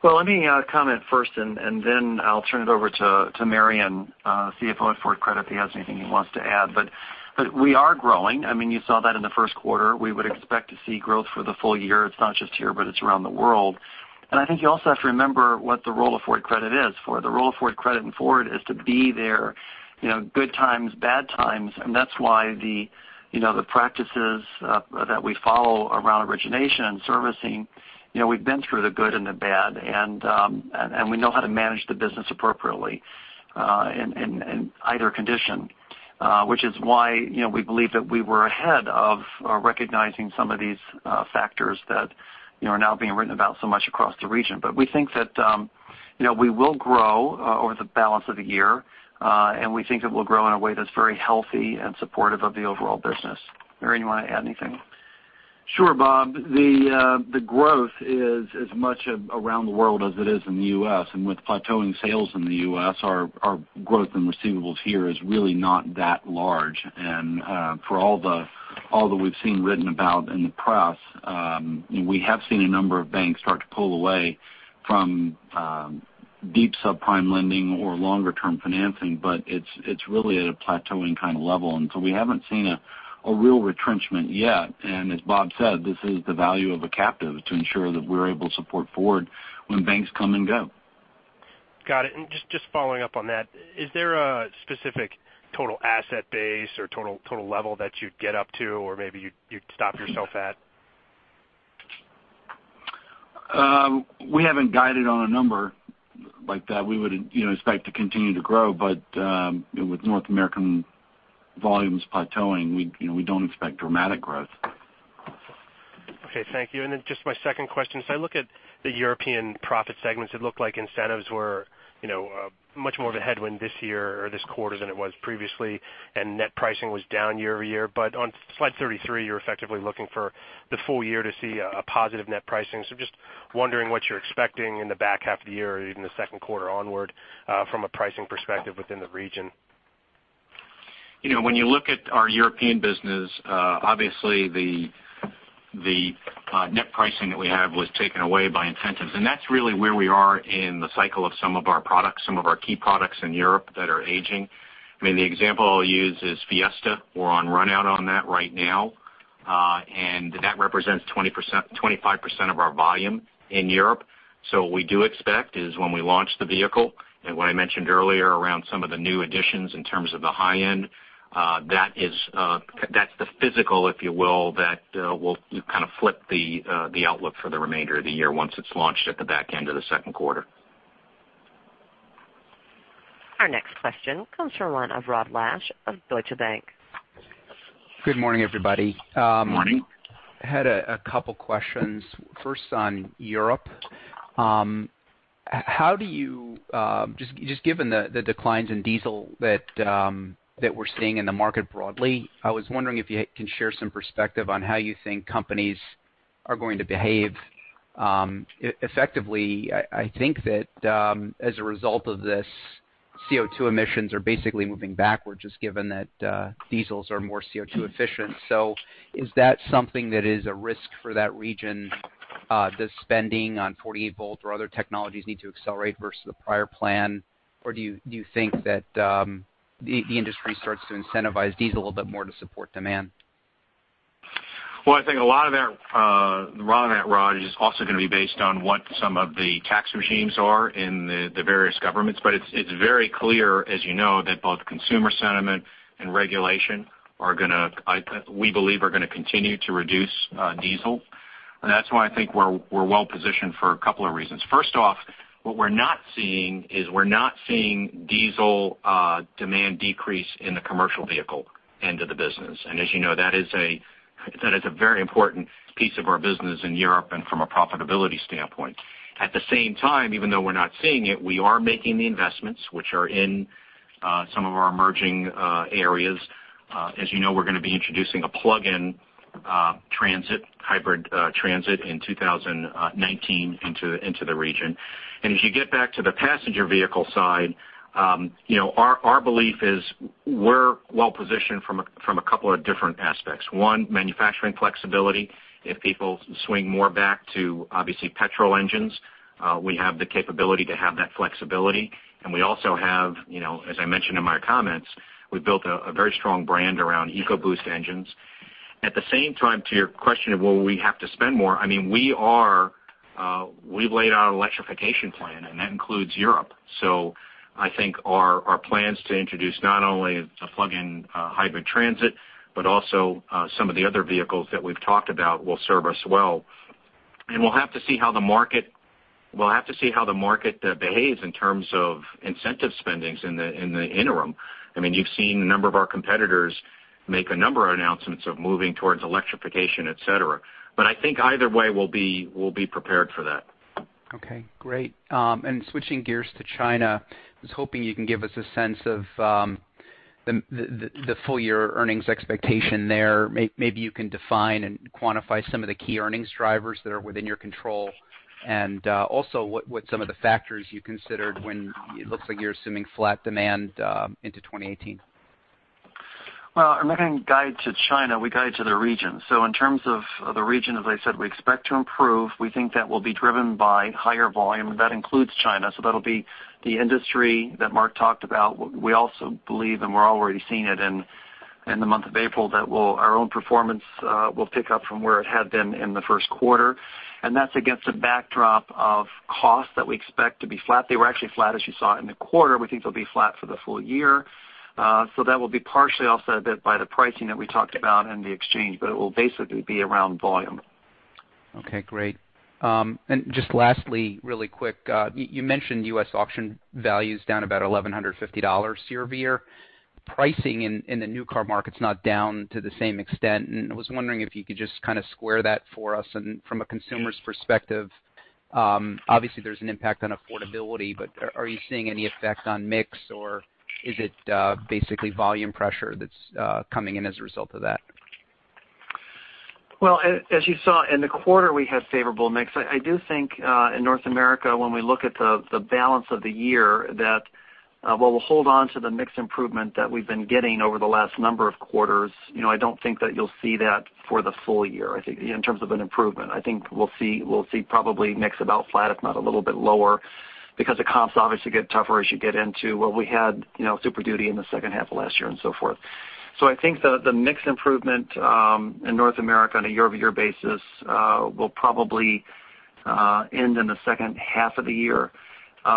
Well, let me comment first, and then I'll turn it over to Mario, CFO at Ford Credit, if he has anything he wants to add. We are growing. You saw that in the first quarter. We would expect to see growth for the full year. It's not just here, but it's around the world. I think you also have to remember what the role of Ford Credit is. The role of Ford Credit in Ford is to be there good times, bad times. That's why the practices that we follow around origination and servicing, we've been through the good and the bad, and we know how to manage the business appropriately. In either condition, which is why we believe that we were ahead of recognizing some of these factors that are now being written about so much across the region. We think that we will grow over the balance of the year, and we think it will grow in a way that's very healthy and supportive of the overall business. Marion, you want to add anything? Sure, Bob. The growth is as much around the world as it is in the U.S. With plateauing sales in the U.S., our growth in receivables here is really not that large. For all that we've seen written about in the press, we have seen a number of banks start to pull away from deep subprime lending or longer-term financing. It's really at a plateauing kind of level. We haven't seen a real retrenchment yet. As Bob said, this is the value of a captive to ensure that we're able to support Ford when banks come and go. Got it. Just following up on that, is there a specific total asset base or total level that you'd get up to or maybe you'd stop yourself at? We haven't guided on a number like that. We would expect to continue to grow, with North American volumes plateauing, we don't expect dramatic growth. Okay, thank you. Just my second question. As I look at the European profit segments, it looked like incentives were much more of a headwind this year or this quarter than it was previously, and net pricing was down year-over-year. On slide 33, you're effectively looking for the full year to see a positive net pricing. Just wondering what you're expecting in the back half of the year or even the second quarter onward from a pricing perspective within the region. When you look at our European business, obviously the net pricing that we have was taken away by incentives, and that's really where we are in the cycle of some of our products, some of our key products in Europe that are aging. The example I'll use is Fiesta. We're on run-out on that right now. That represents 25% of our volume in Europe. What we do expect is when we launch the vehicle and what I mentioned earlier around some of the new additions in terms of the high end, that's the physical, if you will, that will kind of flip the outlook for the remainder of the year once it's launched at the back end of the second quarter. Our next question comes from the line of Rod Lache of Deutsche Bank. Good morning, everybody. Morning. Had a couple questions. First, on Europe. Just given the declines in diesel that we're seeing in the market broadly, I was wondering if you can share some perspective on how you think companies are going to behave. Effectively, I think that as a result of this, CO2 emissions are basically moving backwards, just given that diesels are more CO2 efficient. Is that something that is a risk for that region? Does spending on 48 volt or other technologies need to accelerate versus the prior plan? Do you think that the industry starts to incentivize diesel a little bit more to support demand? Well, I think a lot of that, Rod, is also going to be based on what some of the tax regimes are in the various governments. It's very clear, as you know, that both consumer sentiment and regulation we believe are going to continue to reduce diesel. That's why I think we're well positioned for a couple of reasons. First off, what we're not seeing is we're not seeing diesel demand decrease in the commercial vehicle end of the business. As you know, that is a very important piece of our business in Europe and from a profitability standpoint. At the same time, even though we're not seeing it, we are making the investments which are in some of our emerging areas. As you know, we're going to be introducing a plug-in hybrid Transit in 2019 into the region. As you get back to the passenger vehicle side, our belief is we're well positioned from a couple of different aspects. One, manufacturing flexibility. If people swing more back to, obviously, petrol engines, we have the capability to have that flexibility. We also have, as I mentioned in my comments, we've built a very strong brand around EcoBoost engines. At the same time, to your question of will we have to spend more, we've laid out an electrification plan, and that includes Europe. I think our plans to introduce not only a plug-in hybrid Transit, but also some of the other vehicles that we've talked about will serve us well. We'll have to see how the market behaves in terms of incentive spendings in the interim. You've seen a number of our competitors make a number of announcements of moving towards electrification, et cetera. I think either way, we'll be prepared for that. Okay, great. Switching gears to China, I was hoping you can give us a sense of the full-year earnings expectation there. Maybe you can define and quantify some of the key earnings drivers that are within your control. Also what some of the factors you considered when it looks like you're assuming flat demand into 2018. I'm not going to guide to China. We guide to the region. In terms of the region, as I said, we expect to improve. We think that will be driven by higher volume. That includes China. That'll be the industry that Mark talked about. We also believe, and we're already seeing it in the month of April, that our own performance will pick up from where it had been in the first quarter. That's against a backdrop of costs that we expect to be flat. They were actually flat, as you saw in the quarter. We think they'll be flat for the full year. That will be partially offset a bit by the pricing that we talked about and the exchange, but it will basically be around volume. Great. Just lastly, really quick, you mentioned U.S. auction value is down about $1,150 year-over-year. Pricing in the new car market's not down to the same extent. I was wondering if you could just square that for us. From a consumer's perspective, obviously there's an impact on affordability, but are you seeing any effect on mix or is it basically volume pressure that's coming in as a result of that? As you saw in the quarter, we had favorable mix. I do think, in North America, when we look at the balance of the year, that while we'll hold onto the mix improvement that we've been getting over the last number of quarters, I don't think that you'll see that for the full year, I think, in terms of an improvement. I think we'll see probably mix about flat, if not a little bit lower, because the comps obviously get tougher as you get into what we had, Super Duty in the second half of last year and so forth. I think the mix improvement, in North America on a year-over-year basis, will probably end in the second half of the year.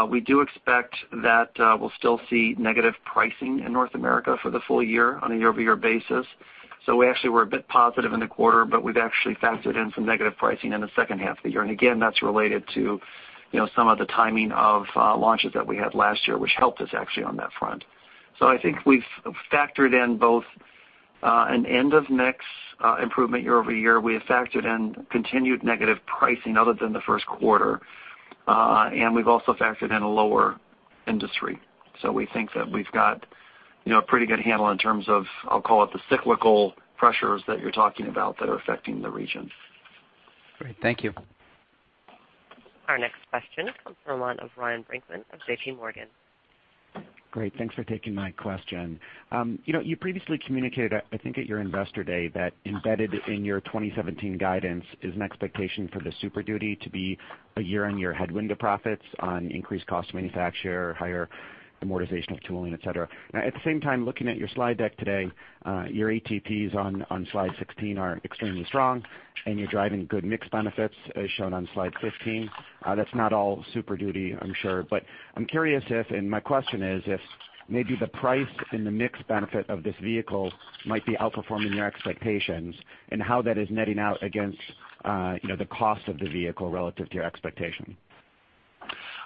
We do expect that we'll still see negative pricing in North America for the full year on a year-over-year basis. We actually were a bit positive in the quarter, but we've actually factored in some negative pricing in the second half of the year. Again, that's related to some of the timing of launches that we had last year, which helped us actually on that front. I think we've factored in both an end of mix improvement year-over-year. We have factored in continued negative pricing other than the first quarter. We've also factored in a lower industry. We think that we've got a pretty good handle in terms of, I'll call it the cyclical pressures that you're talking about that are affecting the region. Great. Thank you. Our next question comes from the line of Ryan Brinkman of J.P. Morgan. Great, thanks for taking my question. You previously communicated, I think at your investor day, that embedded in your 2017 guidance is an expectation for the Super Duty to be a year-on-year headwind to profits on increased cost to manufacture, higher amortization of tooling, et cetera. At the same time, looking at your slide deck today, your ATPs on slide 16 are extremely strong, and you're driving good mix benefits as shown on slide 15. That's not all Super Duty, I'm sure, but I'm curious if, my question is, if maybe the price and the mix benefit of this vehicle might be outperforming your expectations, and how that is netting out against the cost of the vehicle relative to your expectation.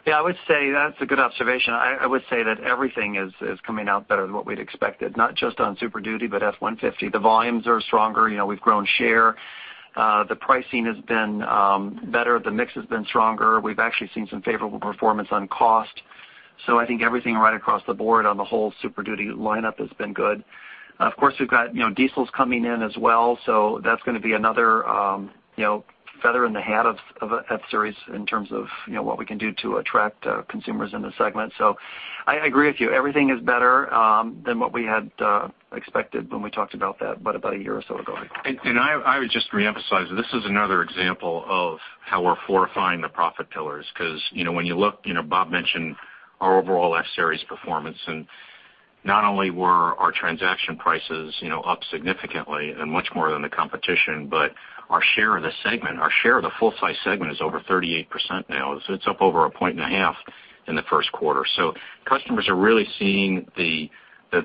Yeah, I would say that's a good observation. I would say that everything is coming out better than what we'd expected, not just on Super Duty, but F-150. The volumes are stronger. We've grown share. The pricing has been better. The mix has been stronger. We've actually seen some favorable performance on cost. I think everything right across the board on the whole Super Duty lineup has been good. Of course, we've got diesels coming in as well, that's going to be another feather in the hat of F-Series in terms of what we can do to attract consumers in the segment. I agree with you. Everything is better than what we had expected when we talked about that, about a year or so ago. I would just reemphasize, this is another example of how we're fortifying the profit pillars because when you look, Bob mentioned our overall F-Series performance. Not only were our transaction prices up significantly and much more than the competition, but our share of the segment, our share of the full-size segment is over 38% now. It's up over a point and a half in the first quarter. Customers are really seeing the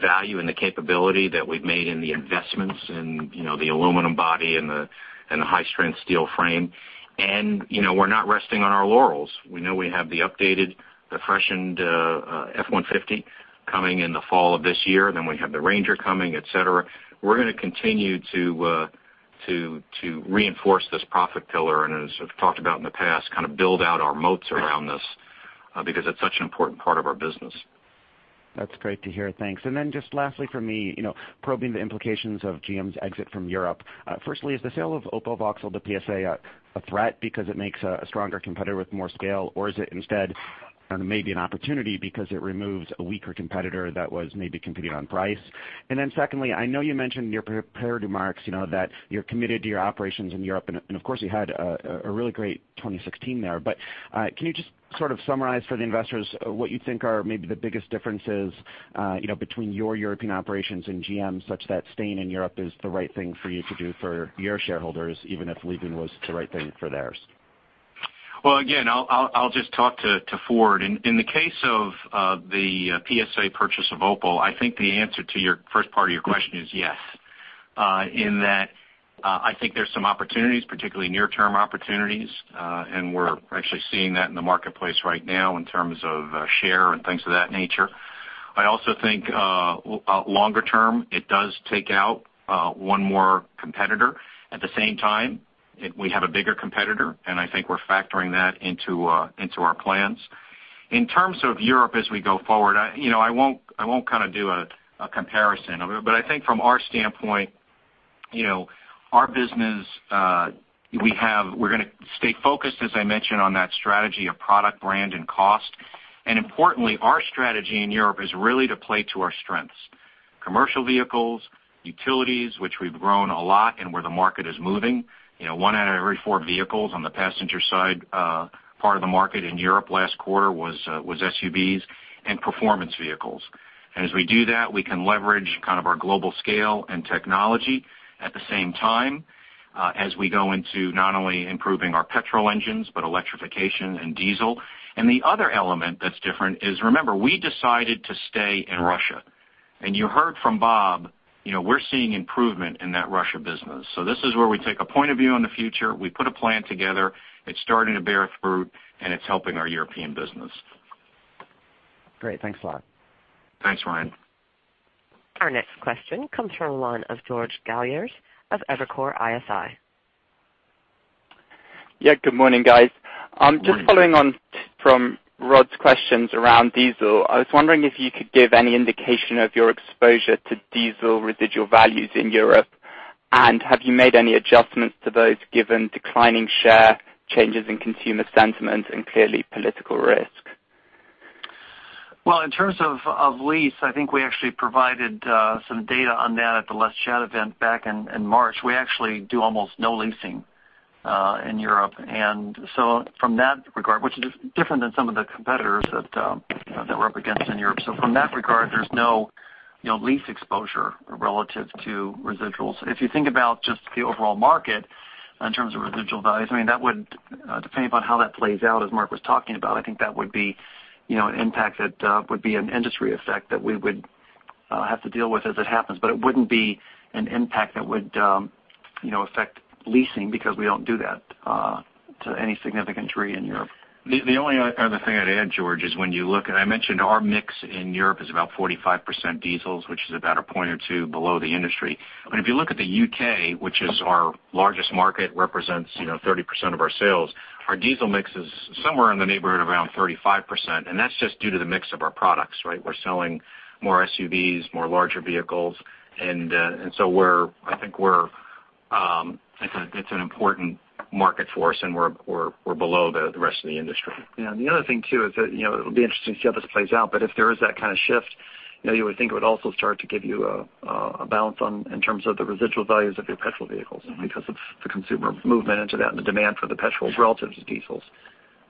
value and the capability that we've made in the investments in the aluminum body and the high-strength steel frame. We're not resting on our laurels. We know we have the updated, the freshened F-150 coming in the fall of this year. We have the Ranger coming, et cetera. We're going to continue to reinforce this profit pillar, and as I've talked about in the past, kind of build out our moats around this, because it's such an important part of our business. That's great to hear. Thanks. Then just lastly from me, probing the implications of GM's exit from Europe. Firstly, is the sale of Opel Vauxhall to PSA a threat because it makes a stronger competitor with more scale, or is it instead maybe an opportunity because it removes a weaker competitor that was maybe competing on price? Then secondly, I know you mentioned in your prepared remarks, that you're committed to your operations in Europe, and of course, you had a really great 2016 there. Can you just sort of summarize for the investors what you think are maybe the biggest differences between your European operations and GM's such that staying in Europe is the right thing for you to do for your shareholders, even if leaving was the right thing for theirs? Well, again, I'll just talk to Ford. In the case of the PSA purchase of Opel, I think the answer to your first part of your question is yes. In that, I think there's some opportunities, particularly near-term opportunities, and we're actually seeing that in the marketplace right now in terms of share and things of that nature. I also think longer term, it does take out one more competitor. At the same time, we have a bigger competitor, and I think we're factoring that into our plans. In terms of Europe as we go forward, I won't do a comparison. I think from our standpoint, our business, we're going to stay focused, as I mentioned, on that strategy of product, brand, and cost. Importantly, our strategy in Europe is really to play to our strengths. Commercial vehicles, utilities, which we've grown a lot and where the market is moving. One out of every four vehicles on the passenger side part of the market in Europe last quarter was SUVs and performance vehicles. As we do that, we can leverage kind of our global scale and technology at the same time, as we go into not only improving our petrol engines, but electrification and diesel. The other element that's different is, remember, we decided to stay in Russia. You heard from Bob, we're seeing improvement in that Russia business. This is where we take a point of view on the future. We put a plan together, it's starting to bear fruit, and it's helping our European business. Great. Thanks a lot. Thanks, Ryan. Our next question comes from the line of George Galliers of Evercore ISI. Yeah. Good morning, guys. Good morning, George. Just following on from Rod's questions around diesel, I was wondering if you could give any indication of your exposure to diesel residual values in Europe. Have you made any adjustments to those given declining share, changes in consumer sentiment, and clearly political risk? Well, in terms of lease, I think we actually provided some data on that at the Let's Chat event back in March. We actually do almost no leasing in Europe. From that regard, which is different than some of the competitors that we're up against in Europe. From that regard, there's no lease exposure relative to residuals. If you think about just the overall market in terms of residual values, depending upon how that plays out, as Mark was talking about, I think that would be an impact that would be an industry effect that we would have to deal with as it happens. It wouldn't be an impact that would affect leasing because we don't do that to any significant degree in Europe. The only other thing I'd add, George, is when you look, I mentioned our mix in Europe is about 45% diesels, which is about a point or two below the industry. If you look at the U.K., which is our largest market, represents 30% of our sales, our diesel mix is somewhere in the neighborhood around 35%. That's just due to the mix of our products, right? We're selling more SUVs, more larger vehicles. I think it's an important market for us, and we're below the rest of the industry. Yeah. The other thing, too, is that it'll be interesting to see how this plays out. If there is that kind of shift, you would think it would also start to give you a balance in terms of the residual values of your petrol vehicles because of the consumer movement into that and the demand for the petrol relative to diesels.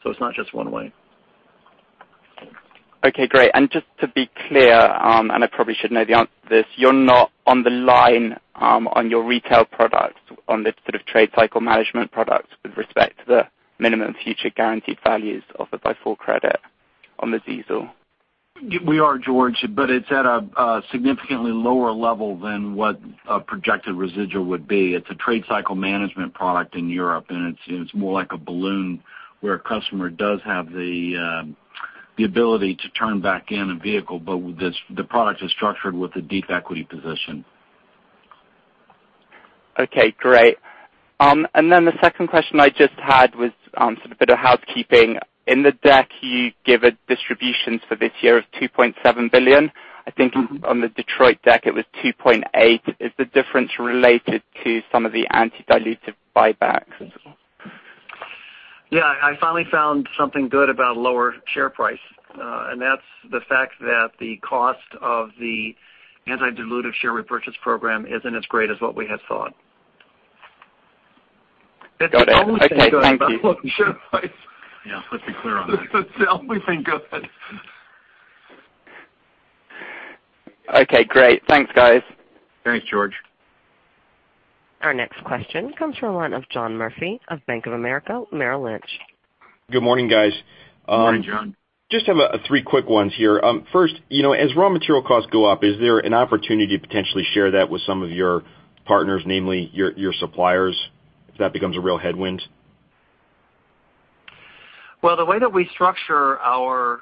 It's not just one way. Okay, great. Just to be clear, and I probably should know the answer to this, you're not on the line on your retail products on the sort of trade cycle management products with respect to the minimum future guaranteed values offered by Ford Credit on the diesel. We are, George, but it's at a significantly lower level than what a projected residual would be. It's a trade cycle management product in Europe, and it's more like a balloon where a customer does have the ability to turn back in a vehicle. The product is structured with a deep equity position. Okay, great. Then the second question I just had was sort of a bit of housekeeping. In the deck, you give a distribution for this year of $2.7 billion. I think on the Detroit deck it was $2.8. Is the difference related to some of the anti-dilutive buybacks? Yeah. I finally found something good about lower share price. That's the fact that the cost of the anti-dilutive share repurchase program isn't as great as what we had thought. Got it. Okay, thank you. Yeah, let's be clear on that. It's the only thing good. Okay, great. Thanks, guys. Thanks, George. Our next question comes from the line of John Murphy of Bank of America Merrill Lynch. Good morning, guys. Good morning, John. Just have three quick ones here. First, as raw material costs go up, is there an opportunity to potentially share that with some of your partners, namely your suppliers, if that becomes a real headwind? Well, the way that we structure our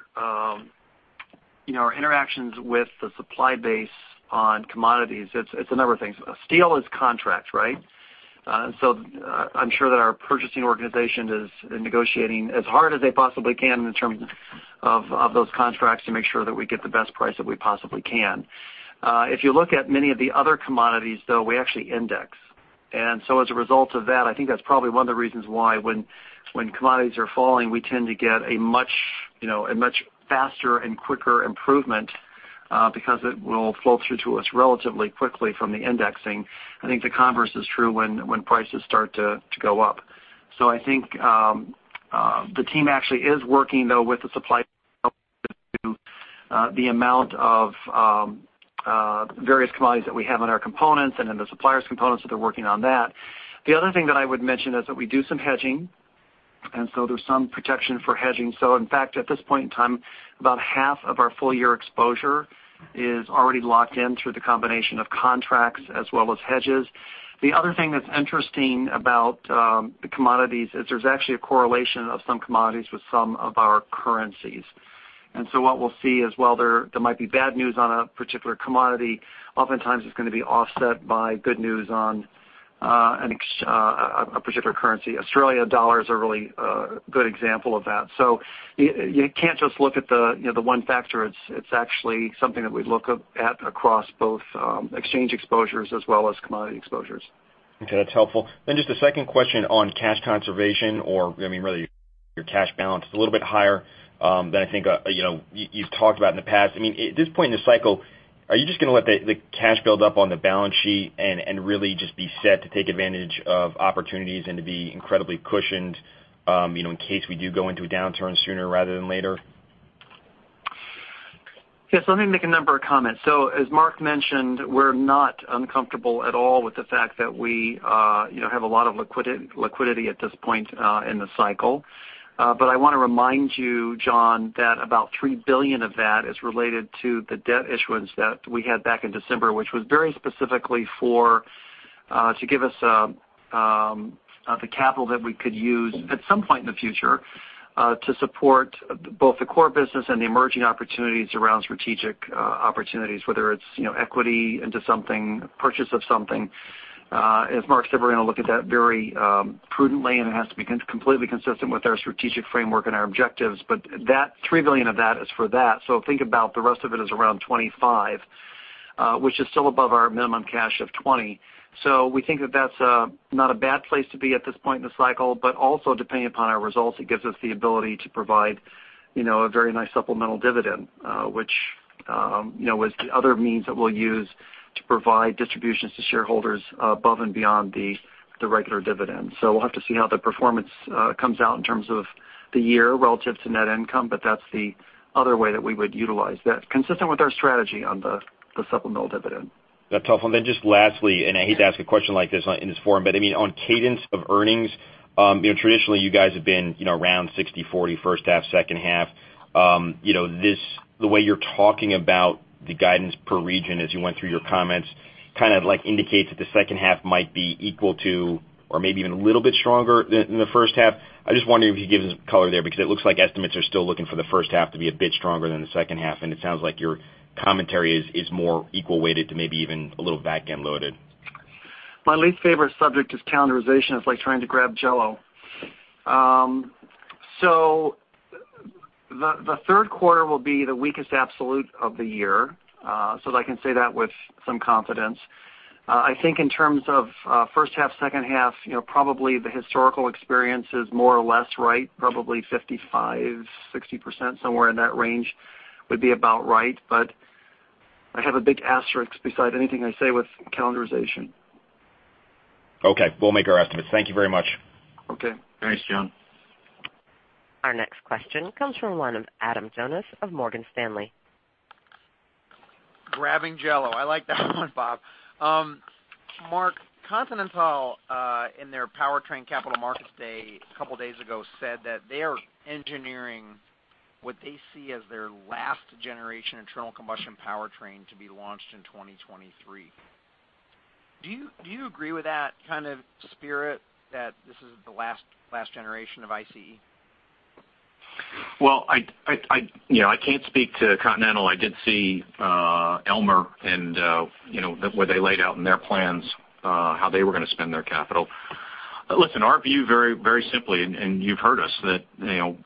interactions with the supply base on commodities, it's a number of things. Steel is contract, right? I'm sure that our purchasing organization is negotiating as hard as they possibly can in terms of those contracts to make sure that we get the best price that we possibly can. If you look at many of the other commodities, though, we actually index. As a result of that, I think that's probably one of the reasons why when commodities are falling, we tend to get a much faster and quicker improvement because it will flow through to us relatively quickly from the indexing. I think the converse is true when prices start to go up. I think the team actually is working, though, with the supply the amount of various commodities that we have on our components and in the suppliers' components. They're working on that. The other thing that I would mention is that we do some hedging, there's some protection for hedging. In fact, at this point in time, about half of our full-year exposure is already locked in through the combination of contracts as well as hedges. The other thing that's interesting about the commodities is there's actually a correlation of some commodities with some of our currencies. What we'll see as well, there might be bad news on a particular commodity. Oftentimes it's going to be offset by good news on a particular currency. Australia dollar is a really good example of that. You can't just look at the one factor. It's actually something that we look at across both exchange exposures as well as commodity exposures. Okay, that's helpful. Just a second question on cash conservation, or really your cash balance is a little bit higher than I think you've talked about in the past. At this point in the cycle, are you just going to let the cash build up on the balance sheet and really just be set to take advantage of opportunities and to be incredibly cushioned in case we do go into a downturn sooner rather than later? Yes. Let me make a number of comments. As Mark mentioned, we're not uncomfortable at all with the fact that we have a lot of liquidity at this point in the cycle. I want to remind you, John, that about $3 billion of that is related to the debt issuance that we had back in December, which was very specifically for To give us the capital that we could use at some point in the future to support both the core business and the emerging opportunities around strategic opportunities, whether it's equity into something, purchase of something. As Mark said, we're going to look at that very prudently, and it has to be completely consistent with our strategic framework and our objectives. $3 billion of that is for that. Think about the rest of it as around $25 billion, which is still above our minimum cash of $20 billion. We think that that's not a bad place to be at this point in the cycle, but also depending upon our results, it gives us the ability to provide a very nice supplemental dividend, which is the other means that we'll use to provide distributions to shareholders above and beyond the regular dividend. We'll have to see how the performance comes out in terms of the year relative to net income. That's the other way that we would utilize that, consistent with our strategy on the supplemental dividend. That's helpful. Then just lastly, I hate to ask a question like this in this forum, on cadence of earnings, traditionally you guys have been around 60/40 first half, second half. The way you're talking about the guidance per region as you went through your comments, kind of indicates that the second half might be equal to or maybe even a little bit stronger than the first half. I just wonder if you could give us color there because it looks like estimates are still looking for the first half to be a bit stronger than the second half, and it sounds like your commentary is more equal weighted to maybe even a little back-end loaded. My least favorite subject is calendarization. It's like trying to grab Jell-O. The third quarter will be the weakest absolute of the year. I can say that with some confidence. I think in terms of first half, second half, probably the historical experience is more or less right, probably 55%-60%, somewhere in that range would be about right. I have a big asterisk beside anything I say with calendarization. Okay. We'll make our estimates. Thank you very much. Okay. Thanks, John. Our next question comes from the line of Adam Jonas of Morgan Stanley. Grabbing Jell-O. I like that one, Bob. Mark, Continental in their powertrain capital markets day a couple days ago said that they are engineering what they see as their last generation internal combustion powertrain to be launched in 2023. Do you agree with that kind of spirit that this is the last generation of ICE? Well, I can't speak to Continental. I did see Elmar and what they laid out in their plans how they were going to spend their capital. Listen, our view very simply, you've heard us, that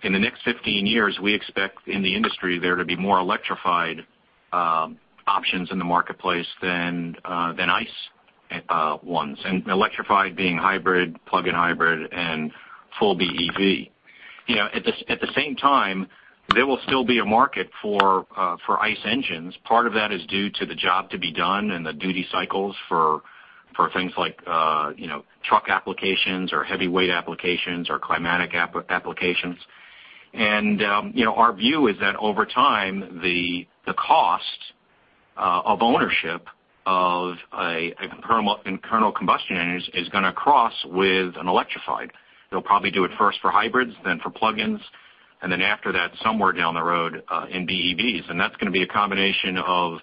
in the next 15 years we expect in the industry there to be more electrified options in the marketplace than ICE ones, and electrified being hybrid, plug-in hybrid and full BEV. At the same time, there will still be a market for ICE engines. Part of that is due to the job to be done and the duty cycles for things like truck applications or heavyweight applications or climatic applications. Our view is that over time, the cost of ownership of internal combustion engines is going to cross with an electrified. They'll probably do it first for hybrids, then for plug-ins, and then after that somewhere down the road in BEVs. That's going to be a combination of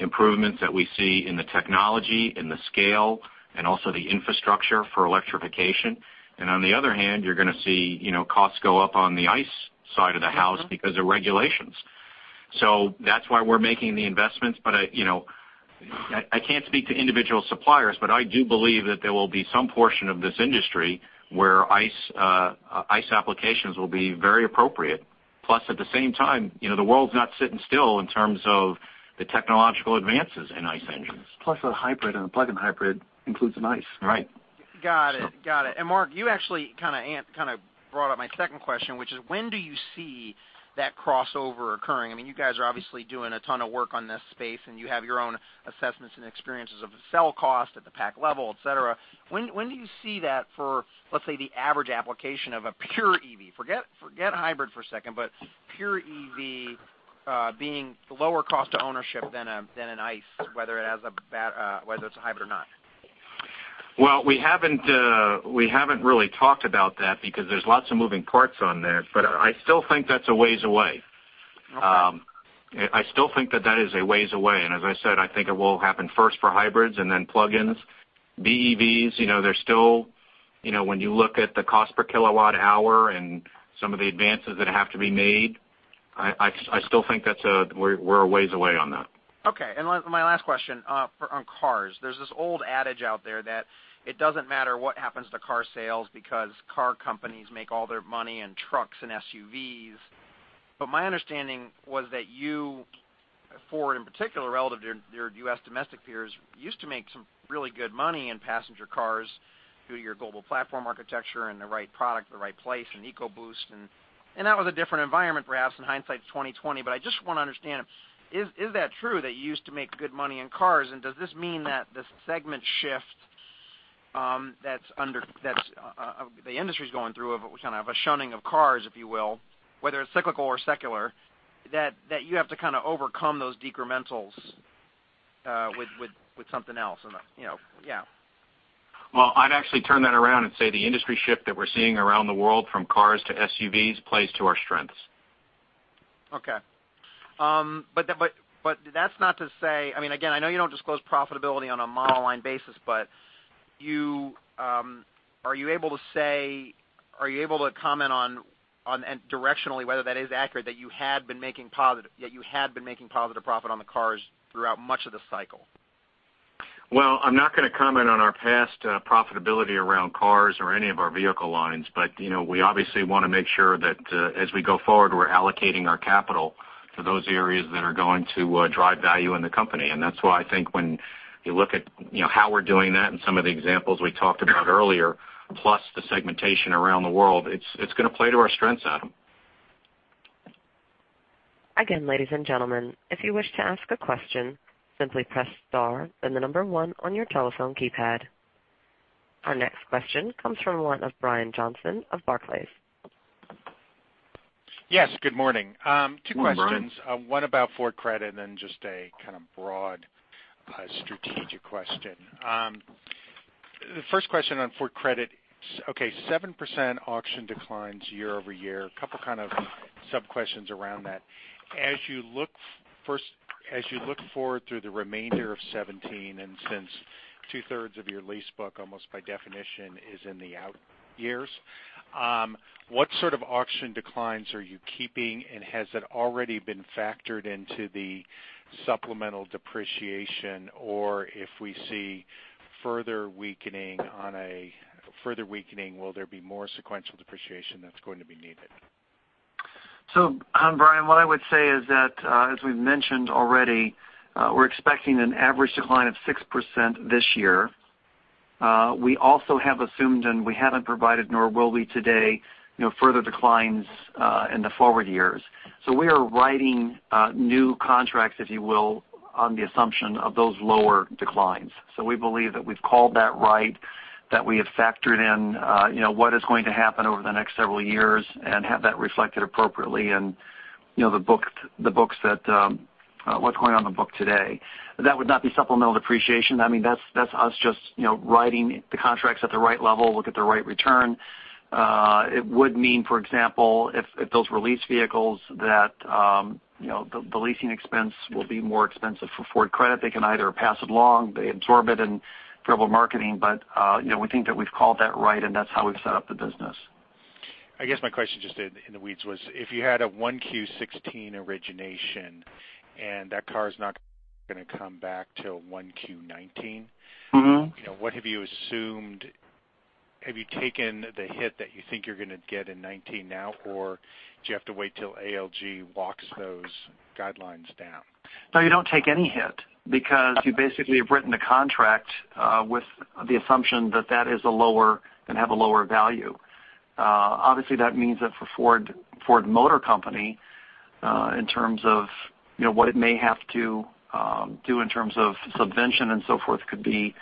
improvements that we see in the technology, in the scale, and also the infrastructure for electrification. On the other hand, you're going to see costs go up on the ICE side of the house because of regulations. That's why we're making the investments. I can't speak to individual suppliers, but I do believe that there will be some portion of this industry where ICE applications will be very appropriate. Plus at the same time, the world's not sitting still in terms of the technological advances in ICE engines. Plus a hybrid and a plug-in hybrid includes an ICE. Right. Got it. And Mark, you actually kind of brought up my second question, which is when do you see that crossover occurring? You guys are obviously doing a ton of work on this space and you have your own assessments and experiences of the cell cost at the pack level, et cetera. When do you see that for, let's say, the average application of a pure EV? Forget hybrid for a second, but pure EV being lower cost of ownership than an ICE, whether it's a hybrid or not. Well, we haven't really talked about that because there's lots of moving parts on there, but I still think that's a ways away. Okay. I still think that that is a ways away, and as I said, I think it will happen first for hybrids and then plug-ins. BEVs, when you look at the cost per kilowatt hour and some of the advances that have to be made, I still think we're a ways away on that. Okay. My last question on cars. There's this old adage out there that it doesn't matter what happens to car sales because car companies make all their money in trucks and SUVs. My understanding was that you, Ford in particular relative to your U.S. domestic peers, used to make some really good money in passenger cars through your global platform architecture and the right product at the right place and EcoBoost and that was a different environment perhaps and hindsight's 2020. I just want to understand, is that true that you used to make good money in cars and does this mean that this segment shift that the industry's going through of a kind of a shunning of cars, if you will, whether it's cyclical or secular, that you have to kind of overcome those decrementals with something else? Yeah. Well, I'd actually turn that around and say the industry shift that we're seeing around the world from cars to SUVs plays to our strengths Okay. Again, I know you don't disclose profitability on a model line basis, are you able to comment on directionally whether that is accurate, that you had been making positive profit on the cars throughout much of the cycle? Well, I'm not going to comment on our past profitability around cars or any of our vehicle lines. We obviously want to make sure that as we go forward, we're allocating our capital to those areas that are going to drive value in the company. That's why I think when you look at how we're doing that and some of the examples we talked about earlier, plus the segmentation around the world, it's going to play to our strengths, Adam. Again, ladies and gentlemen, if you wish to ask a question, simply press star then the number 1 on your telephone keypad. Our next question comes from one of Brian Johnson of Barclays. Yes, good morning. Good morning, Brian. Two questions. One about Ford Credit and just a kind of broad strategic question. The first question on Ford Credit. Okay, 7% auction declines year-over-year. A couple kind of sub-questions around that. First, as you look forward through the remainder of 2017 and since two-thirds of your lease book, almost by definition, is in the out years, what sort of auction declines are you keeping, and has that already been factored into the supplemental depreciation? If we see further weakening, will there be more sequential depreciation that's going to be needed? Brian, what I would say is that, as we've mentioned already, we're expecting an average decline of 6% this year. We also have assumed, and we haven't provided, nor will we today, further declines in the forward years. We are writing new contracts, if you will, on the assumption of those lower declines. We believe that we've called that right, that we have factored in what is going to happen over the next several years and have that reflected appropriately in what's going on the book today. That would not be supplemental depreciation. That's us just writing the contracts at the right level, look at the right return. It would mean, for example, if those lease vehicles that the leasing expense will be more expensive for Ford Credit. They can either pass it along, they absorb it in favorable marketing. We think that we've called that right, and that's how we've set up the business. I guess my question just in the weeds was if you had a 1Q16 origination and that car's not going to come back till 1Q19 what have you assumed? Have you taken the hit that you think you're going to get in 2019 now, or do you have to wait till ALG walks those guidelines down? No, you don't take any hit because you basically have written a contract with the assumption that that is a lower and have a lower value. Obviously, that means that for Ford Motor Company, in terms of what it may have to do in terms of subvention and so forth could be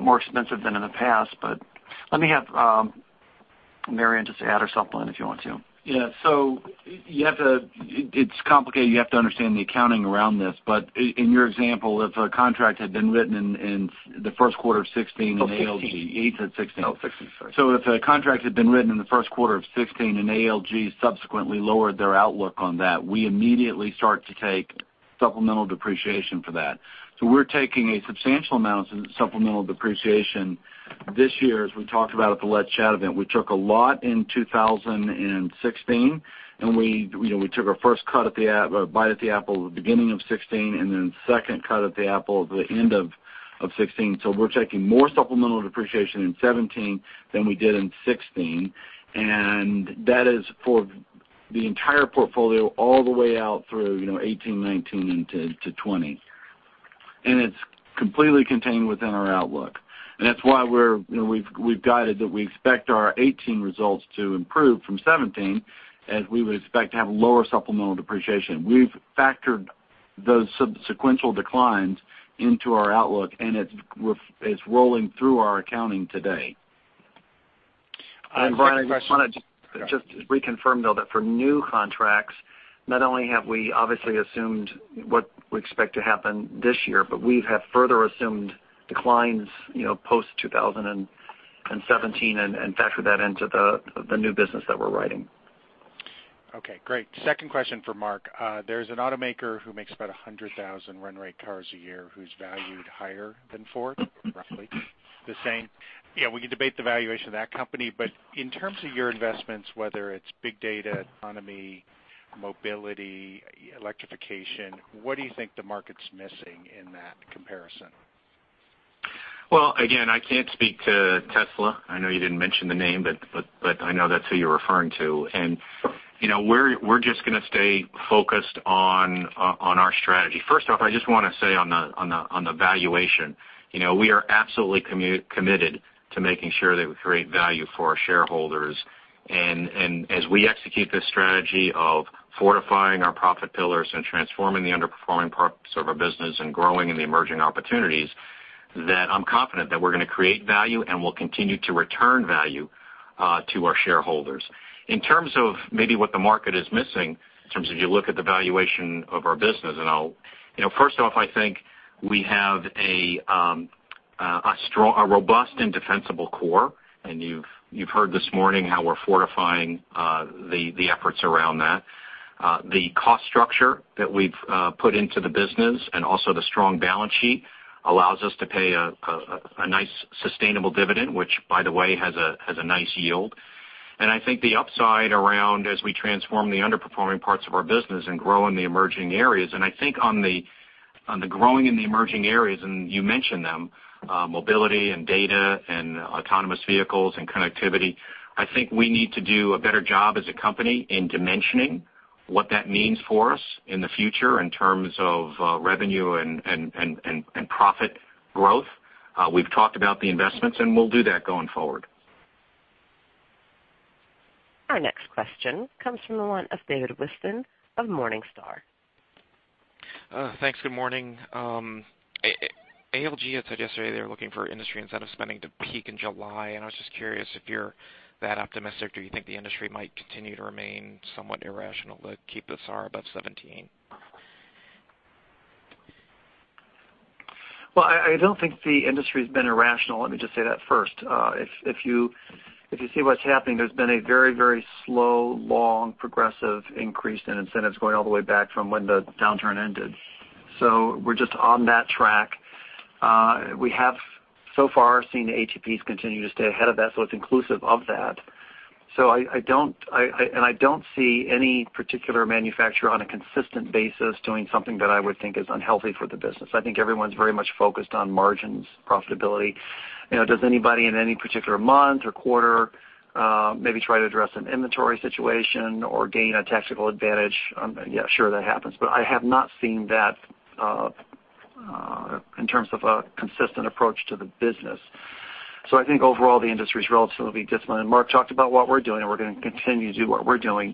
more expensive than in the past. Let me have Marion just add or supplement if you want to. Yeah. It's complicated. You have to understand the accounting around this. In your example, if a contract had been written in the first quarter of 2016 and ALG You said 2015. You said 2016. Oh 2016, sorry. If a contract had been written in the first quarter of 2016 and ALG subsequently lowered their outlook on that, we immediately start to take supplemental depreciation for that. We're taking a substantial amount of supplemental depreciation this year, as we talked about at the Let's Chat event. We took a lot in 2016, and we took our first bite at the apple at the beginning of 2016 and then second cut at the apple at the end of 2016. We're taking more supplemental depreciation in 2017 than we did in 2016. That is for the entire portfolio all the way out through 2018, 2019 into 2020. It's completely contained within our outlook. That's why we've guided that we expect our 2018 results to improve from 2017 as we would expect to have lower supplemental depreciation. We've factored those sequential declines into our outlook, and it's rolling through our accounting today. Brian, I just wanted to reconfirm, though, that for new contracts, not only have we obviously assumed what we expect to happen this year, but we have further assumed declines post 2017 and factored that into the new business that we're writing. Okay, great. Second question for Mark. There's an automaker who makes about 100,000 run rate cars a year who's valued higher than Ford, roughly the same. Yeah, we can debate the valuation of that company. In terms of your investments, whether it's big data, autonomy, mobility, electrification, what do you think the market's missing in that comparison? Well, again, I can't speak to Tesla. I know you didn't mention the name, but I know that's who you're referring to. We're just going to stay focused on our strategy. First off, I just want to say on the valuation. We are absolutely committed to making sure that we create value for our shareholders. As we execute this strategy of fortifying our profit pillars and transforming the underperforming parts of our business and growing in the emerging opportunities, that I'm confident that we're going to create value and we'll continue to return value to our shareholders. In terms of maybe what the market is missing, in terms of you look at the valuation of our business. First off, I think we have a robust and defensible core. You've heard this morning how we're fortifying the efforts around that. The cost structure that we've put into the business and also the strong balance sheet allows us to pay a nice sustainable dividend, which, by the way, has a nice yield. I think the upside around as we transform the underperforming parts of our business and grow in the emerging areas. I think on the growing in the emerging areas, and you mentioned them, mobility and data and autonomous vehicles and connectivity. I think we need to do a better job as a company in dimensioning what that means for us in the future in terms of revenue and profit growth. We've talked about the investments, and we'll do that going forward. Our next question comes from the line of David Whiston of Morningstar. Thanks. Good morning. ALG had said yesterday they were looking for industry incentive spending to peak in July, and I was just curious if you're that optimistic. Do you think the industry might continue to remain somewhat irrational to keep the SAAR above 17? Well, I don't think the industry's been irrational. Let me just say that first. If you see what's happening, there's been a very, very slow, long, progressive increase in incentives going all the way back from when the downturn ended. We're just on that track. We have so far seen the ATPs continue to stay ahead of that, so it's inclusive of that. I don't see any particular manufacturer on a consistent basis doing something that I would think is unhealthy for the business. I think everyone's very much focused on margins profitability. Does anybody in any particular month or quarter maybe try to address an inventory situation or gain a tactical advantage? Yeah, sure, that happens. I have not seen that in terms of a consistent approach to the business. I think overall, the industry is relatively disciplined. Mark talked about what we're doing, and we're going to continue to do what we're doing.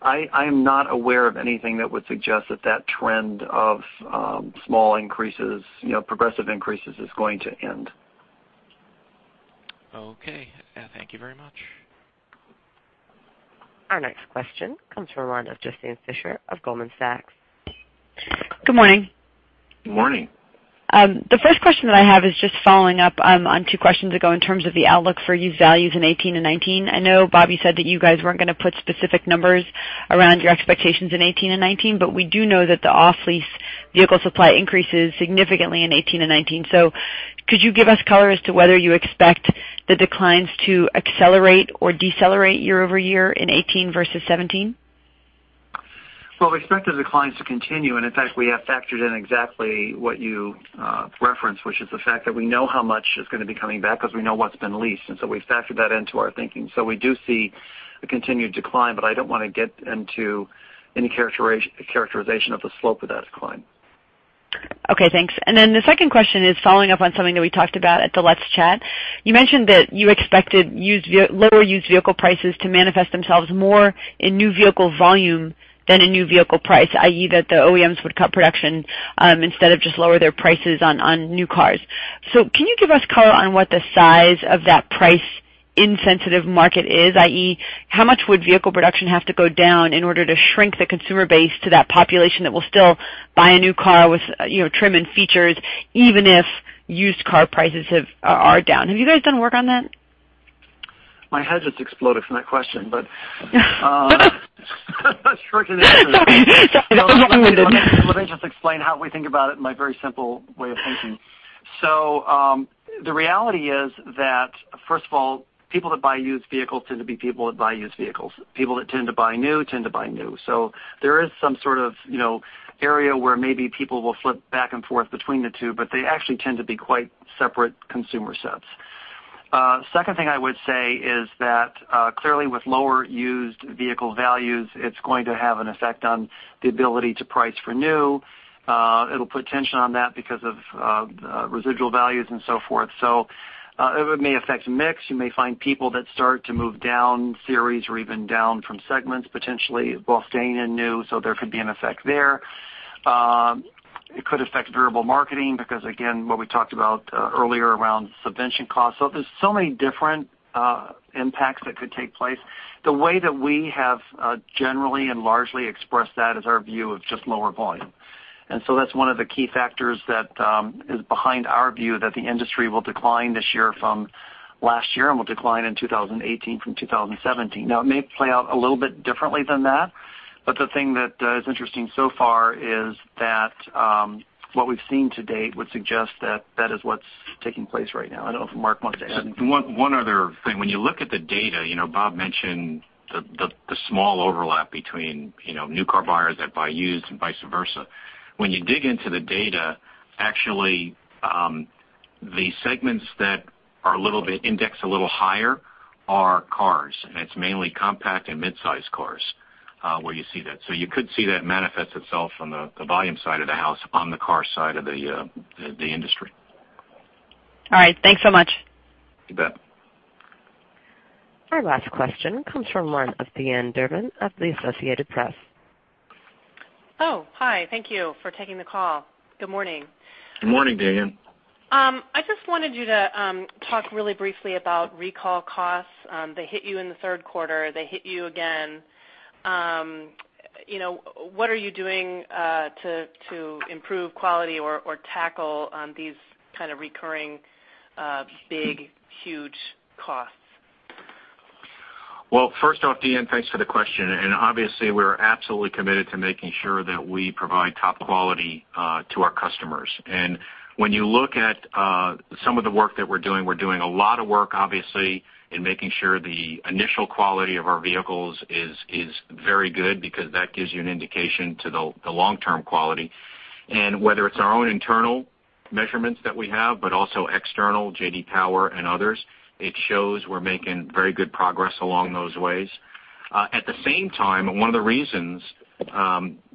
I am not aware of anything that would suggest that trend of small increases, progressive increases is going to end. Okay. Thank you very much. Our next question comes from the line of Justine Fisher of Goldman Sachs. Good morning. Good morning. The first question that I have is just following up on two questions ago in terms of the outlook for used values in 2018 and 2019. I know, Bob, you said that you guys weren't going to put specific numbers around your expectations in 2018 and 2019. We do know that the off-lease vehicle supply increases significantly in 2018 and 2019. Could you give us color as to whether you expect the declines to accelerate or decelerate year-over-year in 2018 versus 2017? We expect the declines to continue, and in fact, we have factored in exactly what you referenced, which is the fact that we know how much is going to be coming back because we know what's been leased. We've factored that into our thinking. We do see a continued decline, but I don't want to get into any characterization of the slope of that decline. Okay, thanks. The second question is following up on something that we talked about at the last chat. You mentioned that you expected lower used vehicle prices to manifest themselves more in new vehicle volume than in new vehicle price, i.e., that the OEMs would cut production instead of just lower their prices on new cars. Can you give us color on what the size of that price-insensitive market is, i.e., how much would vehicle production have to go down in order to shrink the consumer base to that population that will still buy a new car with trim and features, even if used car prices are down? Have you guys done work on that? My head just exploded from that question. Short answer. Sorry. That wasn't meant. Let me just explain how we think about it in my very simple way of thinking. The reality is that, first of all, people that buy used vehicles tend to be people that buy used vehicles. People that tend to buy new tend to buy new. There is some sort of area where maybe people will flip back and forth between the two, but they actually tend to be quite separate consumer sets. Second thing I would say is that, clearly with lower used vehicle values, it's going to have an effect on the ability to price for new. It'll put tension on that because of residual values and so forth. It may affect mix. You may find people that start to move down series or even down from segments, potentially while staying in new. There could be an effect there. It could affect variable marketing because, again, what we talked about earlier around subvention costs. There's so many different impacts that could take place. The way that we have generally and largely expressed that is our view of just lower volume. That's one of the key factors that is behind our view that the industry will decline this year from last year and will decline in 2018 from 2017. It may play out a little bit differently than that, but the thing that is interesting so far is that what we've seen to date would suggest that is what's taking place right now. I don't know if Mark wants to add. One other thing. When you look at the data, Bob mentioned the small overlap between new car buyers that buy used and vice versa. When you dig into the data, actually, the segments that index a little higher are cars, and it's mainly compact and mid-size cars where you see that. You could see that manifest itself on the volume side of the house, on the car side of the industry. All right. Thanks so much. You bet. Our last question comes from the line of Dee-Ann Durbin of the Associated Press. Hi. Thank you for taking the call. Good morning. Good morning, Dee-Ann. I just wanted you to talk really briefly about recall costs. They hit you in the third quarter. They hit you again. What are you doing to improve quality or tackle these kind of recurring big, huge costs? Well, first off, Dee-Ann, thanks for the question, obviously we're absolutely committed to making sure that we provide top quality to our customers. When you look at some of the work that we're doing, we're doing a lot of work, obviously, in making sure the initial quality of our vehicles is very good because that gives you an indication to the long-term quality. Whether it's our own internal measurements that we have, but also external, J.D. Power and others, it shows we're making very good progress along those ways. At the same time, one of the reasons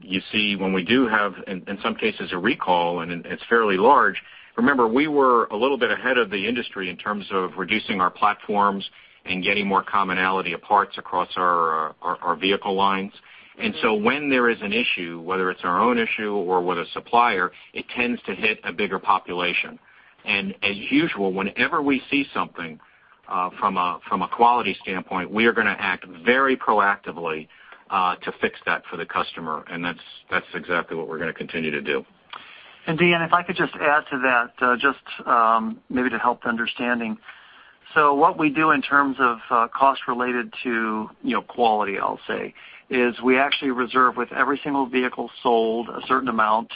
you see when we do have, in some cases, a recall, and it's fairly large, remember, we were a little bit ahead of the industry in terms of reducing our platforms and getting more commonality of parts across our vehicle lines. When there is an issue, whether it's our own issue or with a supplier, it tends to hit a bigger population. As usual, whenever we see something from a quality standpoint, we are going to act very proactively to fix that for the customer, and that's exactly what we're going to continue to do. Dee-Ann, if I could just add to that just maybe to help the understanding. What we do in terms of cost related to quality, I'll say, is we actually reserve with every single vehicle sold a certain amount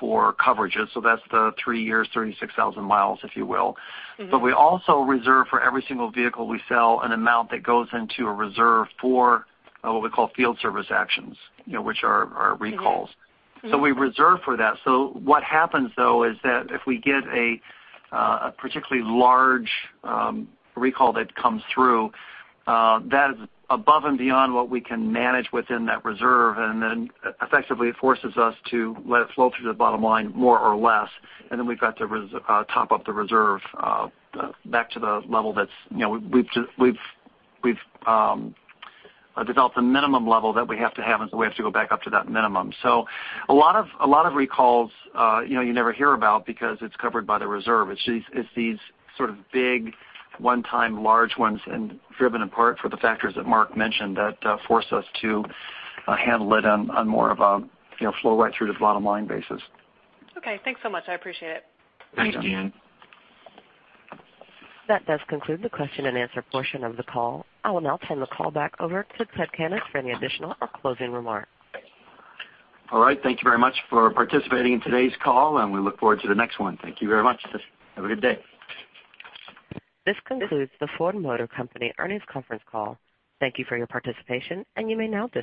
for coverages, so that's the 3 years, 36,000 miles, if you will. We also reserve for every single vehicle we sell an amount that goes into a reserve for what we call field service actions, which are recalls. Yes. We reserve for that. What happens, though, is that if we get a particularly large recall that comes through that is above and beyond what we can manage within that reserve, and then effectively it forces us to let it flow through to the bottom line, more or less, and then we've got to top up the reserve back to the level that we've developed a minimum level that we have to have, and so we have to go back up to that minimum. A lot of recalls you never hear about because it's covered by the reserve. It's these sort of big, one-time large ones and driven in part for the factors that Mark mentioned that force us to handle it on more of a flow right through to the bottom line basis. Okay, thanks so much. I appreciate it. Thanks, Dee-Ann. That does conclude the question and answer portion of the call. I will now turn the call back over to Ted Cannis for any additional or closing remarks. All right. Thank you very much for participating in today's call, and we look forward to the next one. Thank you very much. Have a good day. This concludes the Ford Motor Company earnings conference call. Thank you for your participation, and you may now disconnect.